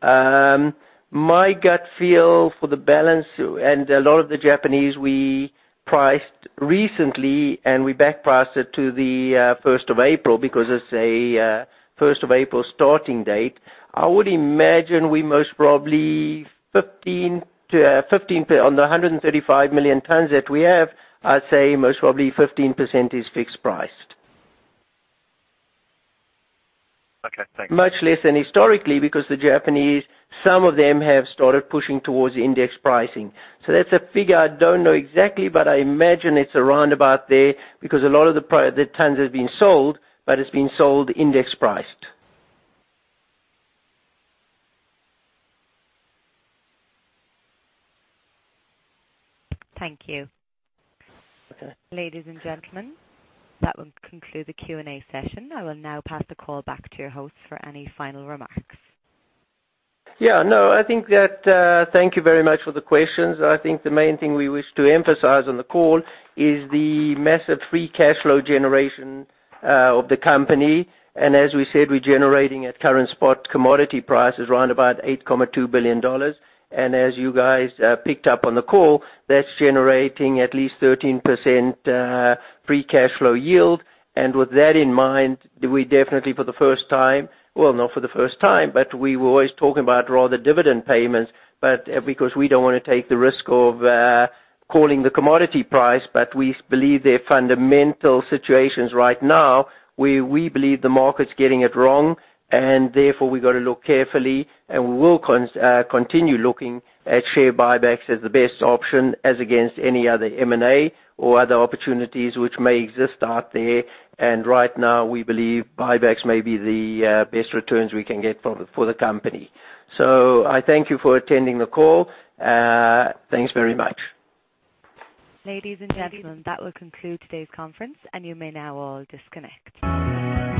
My gut feel for the balance and a lot of the Japanese we priced recently and we back priced it to the 1st of April because it's a 1st of April starting date. I would imagine we most probably on the 135 million tons that we have, I'd say most probably 15% is fixed priced. Okay, thanks. Much less than historically because the Japanese, some of them have started pushing towards index pricing. That's a figure I don't know exactly, but I imagine it's around about there because a lot of the tons has been sold, but it's been sold index priced. Thank you. Ladies and gentlemen, that will conclude the Q&A session. I will now pass the call back to your host for any final remarks. Yeah. No, thank you very much for the questions. I think the main thing we wish to emphasize on the call is the massive free cash flow generation of the company. As we said, we're generating at current spot commodity prices around about $8.2 billion. As you guys picked up on the call, that's generating at least 13% free cash flow yield. With that in mind, we definitely for the first time, well, not for the first time, but we were always talking about rather dividend payments, but because we don't want to take the risk of calling the commodity price, but we believe their fundamental situations right now, we believe the market's getting it wrong and therefore we've got to look carefully and we will continue looking at share buybacks as the best option as against any other M&A or other opportunities which may exist out there. Right now we believe buybacks may be the best returns we can get for the company. I thank you for attending the call. Thanks very much. Ladies and gentlemen, that will conclude today's conference and you may now all disconnect.